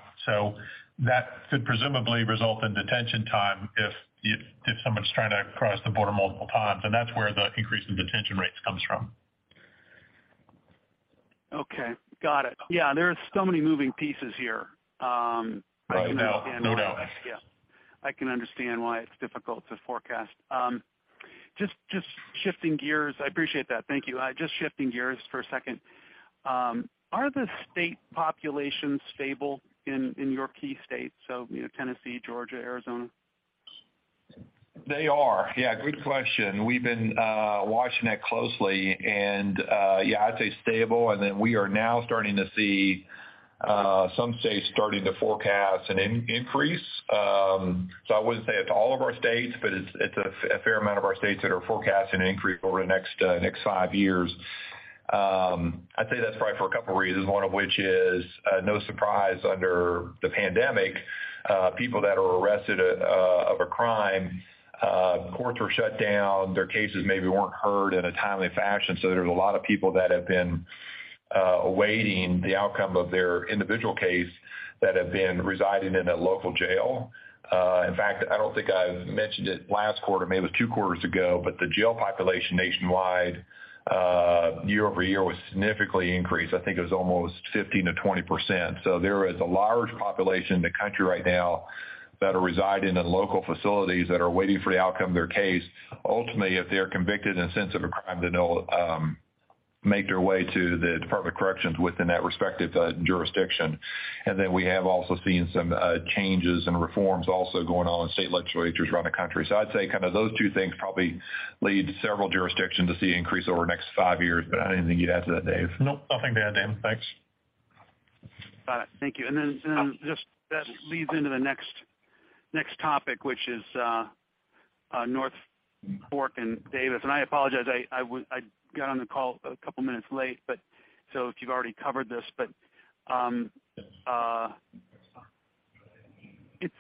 That could presumably result in detention time if someone's trying to cross the border multiple times. That's where the increase in detention rates comes from. Okay. Got it. There are so many moving pieces here. I can understand why. Right. No, no doubt. Yeah. I can understand why it's difficult to forecast. just shifting gears. I appreciate that. Thank you. just shifting gears for a second. Are the state populations stable in your key states? You know, Tennessee, Georgia, Arizona? They are. Yeah, good question. We've been watching that closely and, yeah, I'd say stable. We are now starting to see some states starting to forecast an increase. I wouldn't say it's all of our states, but it's a fair amount of our states that are forecasting an increase over the next 5 years. I'd say that's probably for a couple reasons, one of which is, no surprise under the pandemic, people that are arrested of a crime, courts were shut down, their cases maybe weren't heard in a timely fashion. There's a lot of people that have been awaiting the outcome of their individual case that have been residing in a local jail. In fact, I don't think I've mentioned it last quarter, maybe it was Q2 ago, but the jail population nationwide, year-over-year was significantly increased. I think it was almost 15%-20%. There is a large population in the country right now that are residing in local facilities that are waiting for the outcome of their case. Ultimately, if they're convicted in the sense of a crime, then they'll make their way to the Department of Corrections within that respective jurisdiction. We have also seen some changes and reforms also going on in state legislatures around the country. I'd say kind of those 2 things probably lead several jurisdictions to see increase over the next 5 years. Anything you'd add to that, Dave? No, nothing to add, Dan. Thanks. Got it. Thank you. Just that leads into the next topic, which is North Fork and Davis. I apologize, I got on the call a couple minutes late, but so if you've already covered this. It's.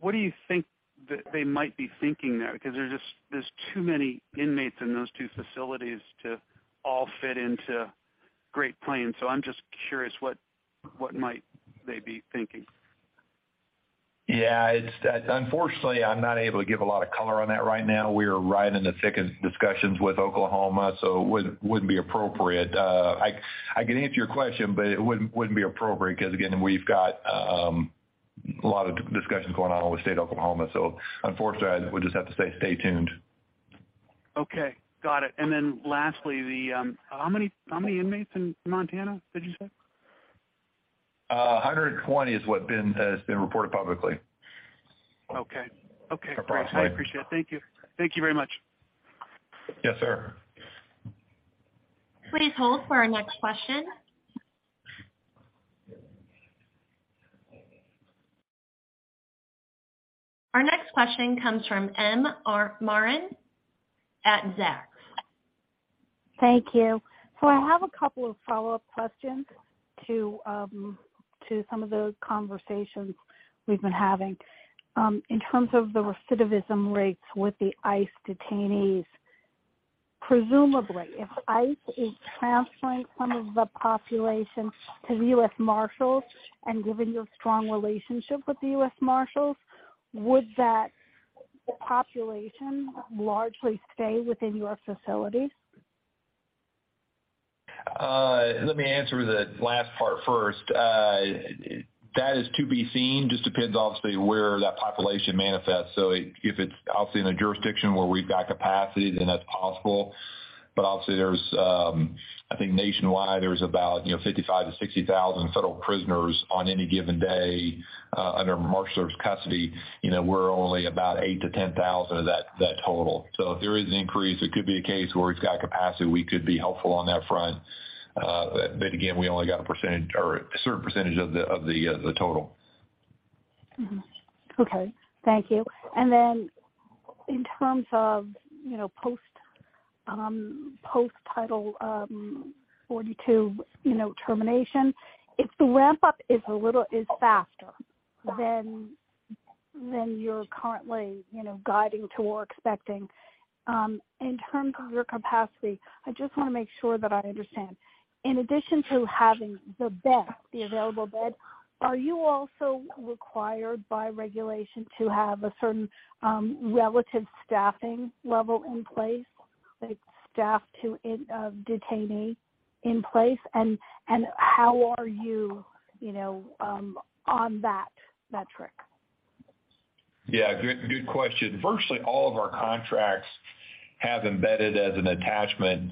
What do you think they might be thinking there? There's too many inmates in those 2 facilities to all fit into Great Plains. I'm just curious, what might they be thinking? Yeah, Unfortunately, I'm not able to give a lot of color on that right now. We are right in the thick of discussions with Oklahoma, so it wouldn't be appropriate. I can answer your question, but it wouldn't be appropriate because, again, we've got a lot of discussions going on with the state of Oklahoma. Unfortunately, I would just have to say stay tuned. Okay, got it. Then lastly, the... How many inmates in Montana did you say? 120 has been reported publicly. Okay. Okay. Approximately. Great. I appreciate it. Thank you. Thank you very much. Yes, sir. Please hold for our next question. Our next question comes from M. R. Marin at Zacks. Thank you. I have a couple of follow-up questions to some of the conversations we've been having. In terms of the recidivism rates with the ICE detainees, presumably if ICE is transferring some of the population to the U.S. Marshals and given your strong relationship with the U.S. Marshals, would that population largely stay within your facilities? Let me answer the last part first. That is to be seen, just depends obviously, where that population manifests. If it's, obviously, in a jurisdiction where we've got capacity, then that's possible. Obviously, there's, I think nationwide there's about, you know, 55,000-60,000 federal prisoners on any given day, under Marshals Service custody. You know, we're only about 8,000-10,000 of that total. If there is an increase, it could be a case where it's got capacity, we could be helpful on that front. Again, we only got a percentage or a certain percentage of the total. Okay. Thank you. In terms of, you know, post Title 42, you know, termination, if the ramp up is faster than you're currently, you know, guiding toward expecting, in terms of your capacity, I just wanna make sure that I understand. In addition to having the available bed, are you also required by regulation to have a certain, relative staffing level in place? Like staff to in detainee in place. How are you know, on that metric? Good, good question. Firstly, all of our contracts have embedded as an attachment,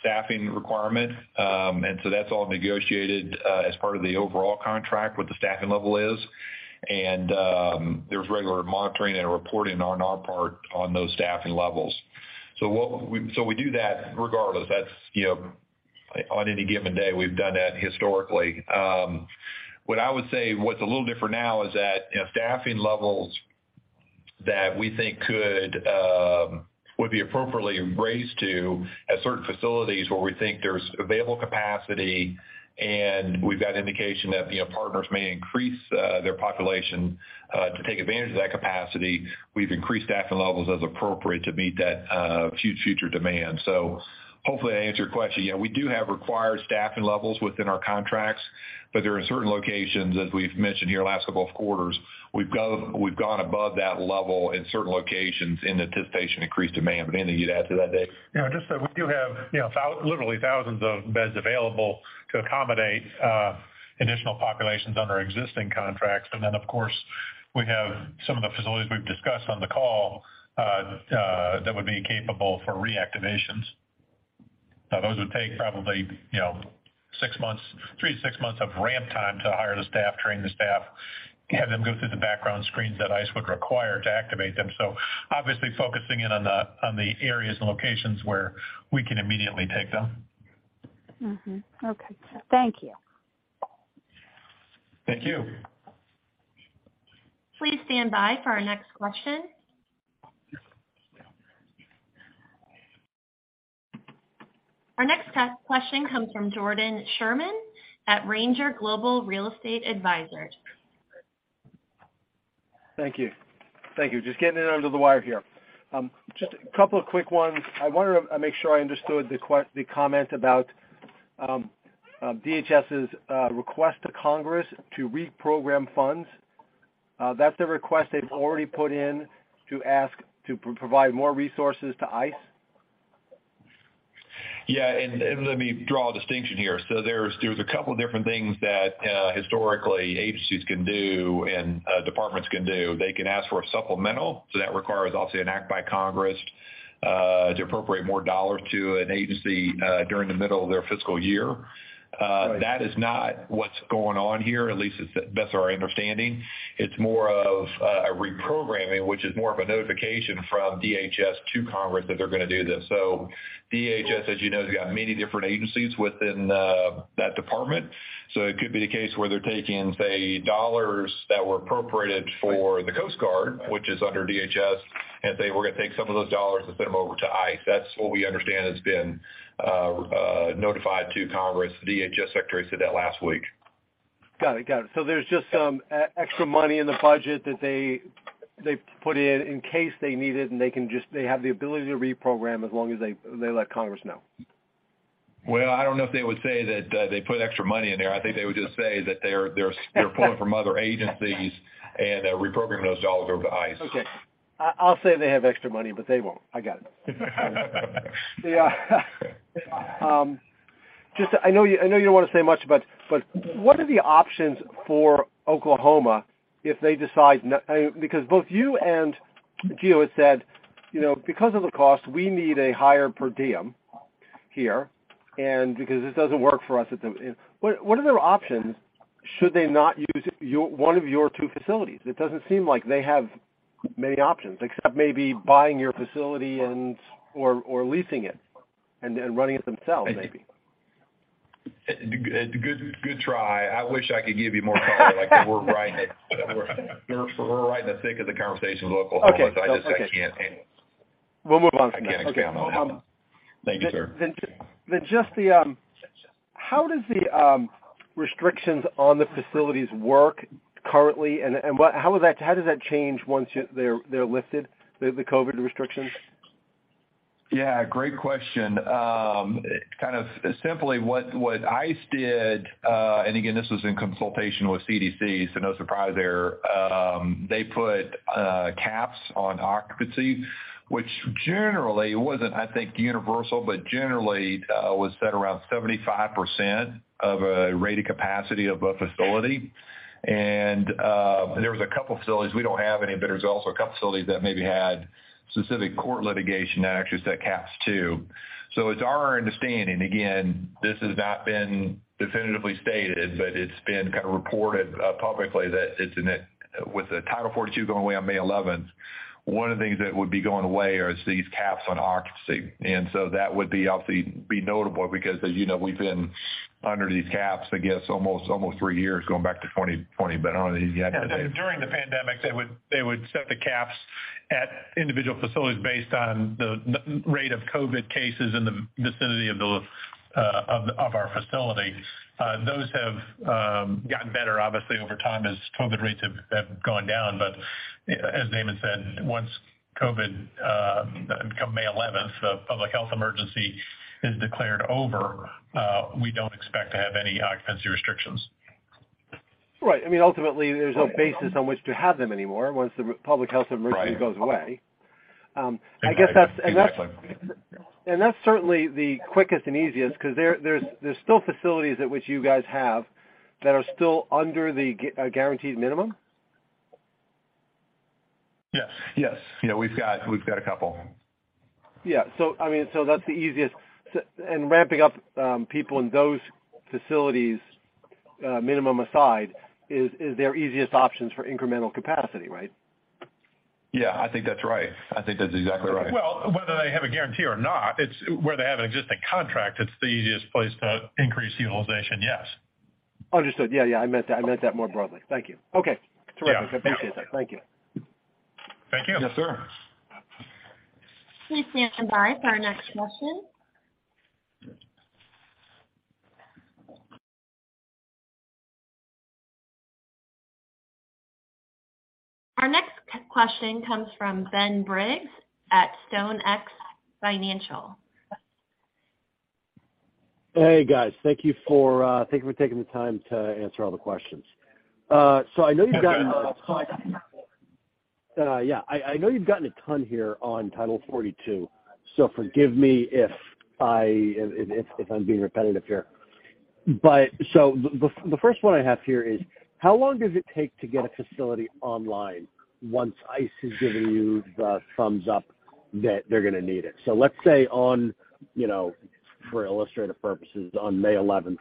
staffing requirement. That's all negotiated as part of the overall contract, what the staffing level is. There's regular monitoring and reporting on our part on those staffing levels. We do that regardless. That's, you know, on any given day, we've done that historically. What I would say, what's a little different now is that, you know, staffing levels that we think could would be appropriately raised to at certain facilities where we think there's available capacity and we've got indication that, you know, partners may increase their population to take advantage of that capacity, we've increased staffing levels as appropriate to meet that future demand. Hopefully I answered your question. Yeah, we do have required staffing levels within our contracts, but there are certain locations, as we've mentioned here the last couple of quarters, we've gone above that level in certain locations in anticipation of increased demand. Anything you'd add to that, Dave? You know, just that we do have, you know, literally thousands of beds available to accommodate additional populations under existing contracts. Then, of course, we have some of the facilities we've discussed on the call that would be capable for reactivations. Those would take probably, you know, 6 months, 3-6 months of ramp time to hire the staff, train the staff, have them go through the background screens that ICE would require to activate them. Obviously, focusing in on the, on the areas and locations where we can immediately take them. Okay. Thank you. Thank you. Please stand by for our next question. Our next question comes from Jordan Sherman at Ranger Global Real Estate Advisors. Thank you. Thank you. Just getting it under the wire here. Just a couple of quick ones. I wonder, I make sure I understood the comment about DHS's request to Congress to reprogram funds. That's the request they've already put in to ask to provide more resources to ICE? Let me draw a distinction here. There's, there's a couple different things that historically agencies can do and departments can do. They can ask for a supplemental, that requires obviously an act by Congress to appropriate more dollars to an agency during the middle of their fiscal year. Right. That is not what's going on here, at least that's our understanding. It's more of a reprogramming, which is more of a notification from DHS to Congress that they're gonna do this. DHS, as you know, has got many different agencies within that department. It could be the case where they're taking, say, dollars that were appropriated for the Coast Guard, which is under DHS, and say, we're gonna take some of those dollars and send them over to ICE. That's what we understand has been notified to Congress. The DHS Secretary said that last week. Got it. Got it. There's just some extra money in the budget that they put in in case they need it, and they have the ability to reprogram as long as they let Congress know. I don't know if they would say that, they put extra money in there. I think they would just say that they're pulling from other agencies and reprogramming those dollars over to ICE. I'll say they have extra money, but they won't. I got it. Just I know you, I know you don't want to say much, but what are the options for Oklahoma if they decide I mean, because both you and GEO has said, you know, because of the cost, we need a higher per diem here, and because this doesn't work for us at the. What are their options should they not use your one of your two facilities? It doesn't seem like they have many options, except maybe buying your facility and/or leasing it and then running it themselves maybe. Good, good try. I wish I could give you more color. Like, we're right in the thick of the conversation with Oklahoma. Okay. I just, I can't. We'll move on from that. I can't comment on that, no. Okay. Thank you, sir. How does the restrictions on the facilities work currently, and how does that change once they're lifted, the COVID restrictions? Yeah, great question. kind of simply what ICE did, and again, this was in consultation with CDC, so no surprise there, they put caps on occupancy, which generally wasn't, I think, universal, but generally was set around 75% of a rated capacity of a facility. There was a couple facilities, we don't have any at Otay Mesa, so a couple facilities that maybe had specific court litigation that actually set caps too. It's our understanding, again, this has not been definitively stated, but it's been kind of reported, publicly that it's in it with the Title 42 going away on May 11th, one of the things that would be going away is these caps on occupancy. That would be obviously be notable because as you know, we've been under these caps, I guess, almost three years going back to 2020. I don't know the exact date. Yeah. During the pandemic, they would set the caps at individual facilities based on the rate of COVID cases in the vicinity of the of our facility. Those have gotten better obviously over time as COVID rates have gone down. As Damon said, once COVID, come May eleventh, the public health emergency is declared over, we don't expect to have any occupancy restrictions. Right. I mean, ultimately, there's no basis on which to have them anymore once the public health emergency goes away. I guess that's. Exactly. That's certainly the quickest and easiest 'cause there's still facilities at which you guys have that are still under the guaranteed minimum. Yes. Yes. You know, we've got a couple. Yeah. I mean, that's the easiest. And ramping up people in those facilities, minimum aside is their easiest options for incremental capacity, right? Yeah, I think that's right. I think that's exactly right. Well, whether they have a guarantee or not, it's where they have an existing contract that's the easiest place to increase utilization, yes. Understood. Yeah. I meant that more broadly. Thank you. Okay. Terrific. Yeah. I appreciate that. Thank you. Thank you. Yes, sir. Please stand by for our next question. Our next question comes from Ben Briggs at StoneX Financial. Hey, guys. Thank you for taking the time to answer all the questions. I know you've gotten a ton here on Title 42, so forgive me if I'm being repetitive here. The first one I have here is how long does it take to get a facility online once ICE is giving you the thumbs up that they're gonna need it? Let's say on, you know, for illustrative purposes, on May 11th,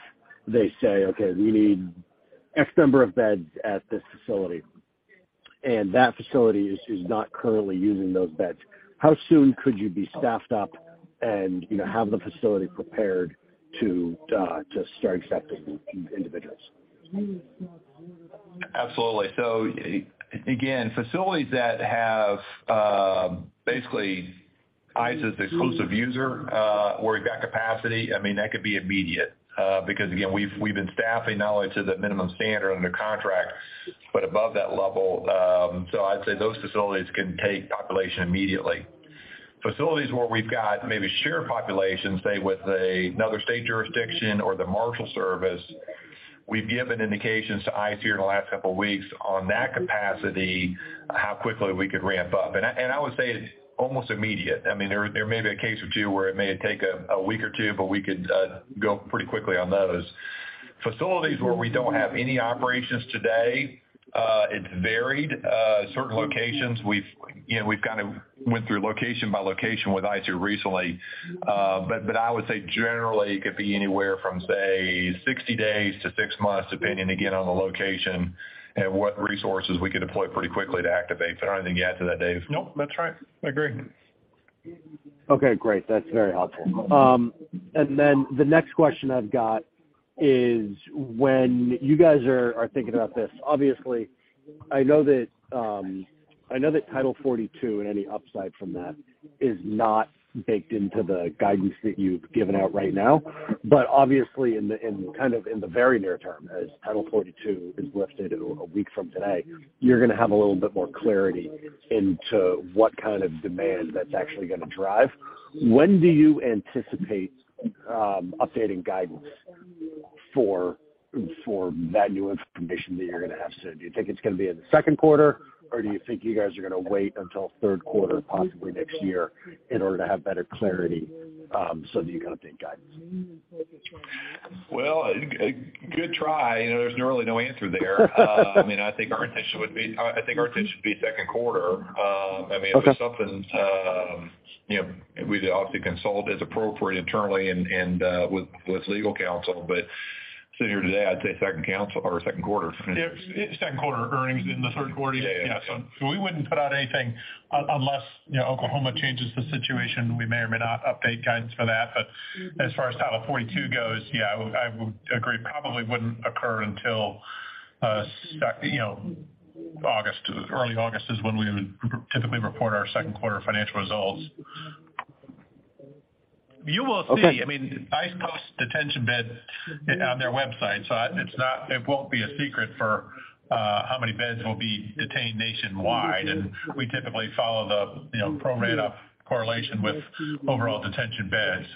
they say, "Okay, we need X number of beds at this facility," and that facility is not currently using those beds. How soon could you be staffed up and, you know, have the facility prepared to start accepting individuals? Absolutely. Again, facilities that have, basically ICE's exclusive user, where we've got capacity, I mean, that could be immediate. Because again, we've been staffing not only to the minimum standard under contract, but above that level. I'd say those facilities can take population immediately. Facilities where we've got maybe shared populations, say with another state jurisdiction or the Marshal Service, we've given indications to ICE here in the last couple weeks on that capacity, how quickly we could ramp up. I, and I would say it's almost immediate. I mean, there may be a case or two where it may take a week or two, we could go pretty quickly on those. Facilities where we don't have any operations today, it's varied. Certain locations, we've, you know, we've kind of went through location by location with ICE here recently. I would say generally it could be anywhere from, say, 60 days to 6 months, depending again on the location and what resources we could deploy pretty quickly to activate. Is there anything to add to that, Dave? Nope, that's right. I agree. Okay, great. That's very helpful. The next question I've got is when you guys are thinking about this, obviously I know that I know that Title 42 and any upside from that is not baked into the guidance that you've given out right now. Obviously in the, in kind of in the very near term, as Title 42 is lifted a week from today, you're gonna have a little bit more clarity into what kind of demand that's actually gonna drive. When do you anticipate updating guidance for that new information that you're gonna have soon? Do you think it's gonna be in the Q2, or do you think you guys are gonna wait untilQ3, possibly next year in order to have better clarity so that you can update guidance? Well, good try. You know, there's really no answer there. I mean, I think our intention would be Q2. Okay. -it's something, you know, we'd obviously consult as appropriate internally and, with legal counsel. Sitting here today, I'd say second counsel orQ2. Yeah,Q2 earnings in the Q3. Yeah, yeah. We wouldn't put out anything unless, you know, Oklahoma changes the situation, we may or may not update guidance for that. As far as Title 42 goes, yeah, I would agree. Probably wouldn't occur until, you know, August. Early August is when we would typically report our Q2 financial results. You will see- Okay. I mean, ICE posts detention beds on their website, so it's not, it won't be a secret for how many beds will be detained nationwide. We typically follow the, you know, pro rata correlation with overall detention beds.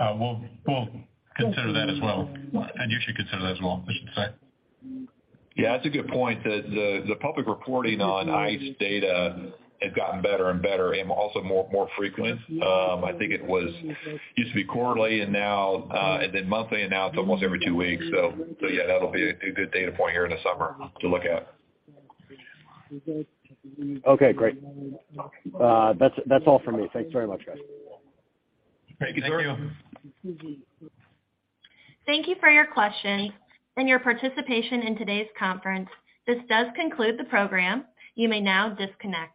We'll consider that as well, and you should consider that as well, I should say. Yeah, that's a good point. The public reporting on ICE data has gotten better and better and also more frequent. I think it was used to be quarterly and now and then monthly, and now it's almost every two weeks. Yeah, that'll be a good data point here in the summer to look at. Okay, great. That's all for me. Thanks very much, guys. Thank you. Thank you. Thank you for your questions and your participation in today's conference. This does conclude the program. You may now disconnect.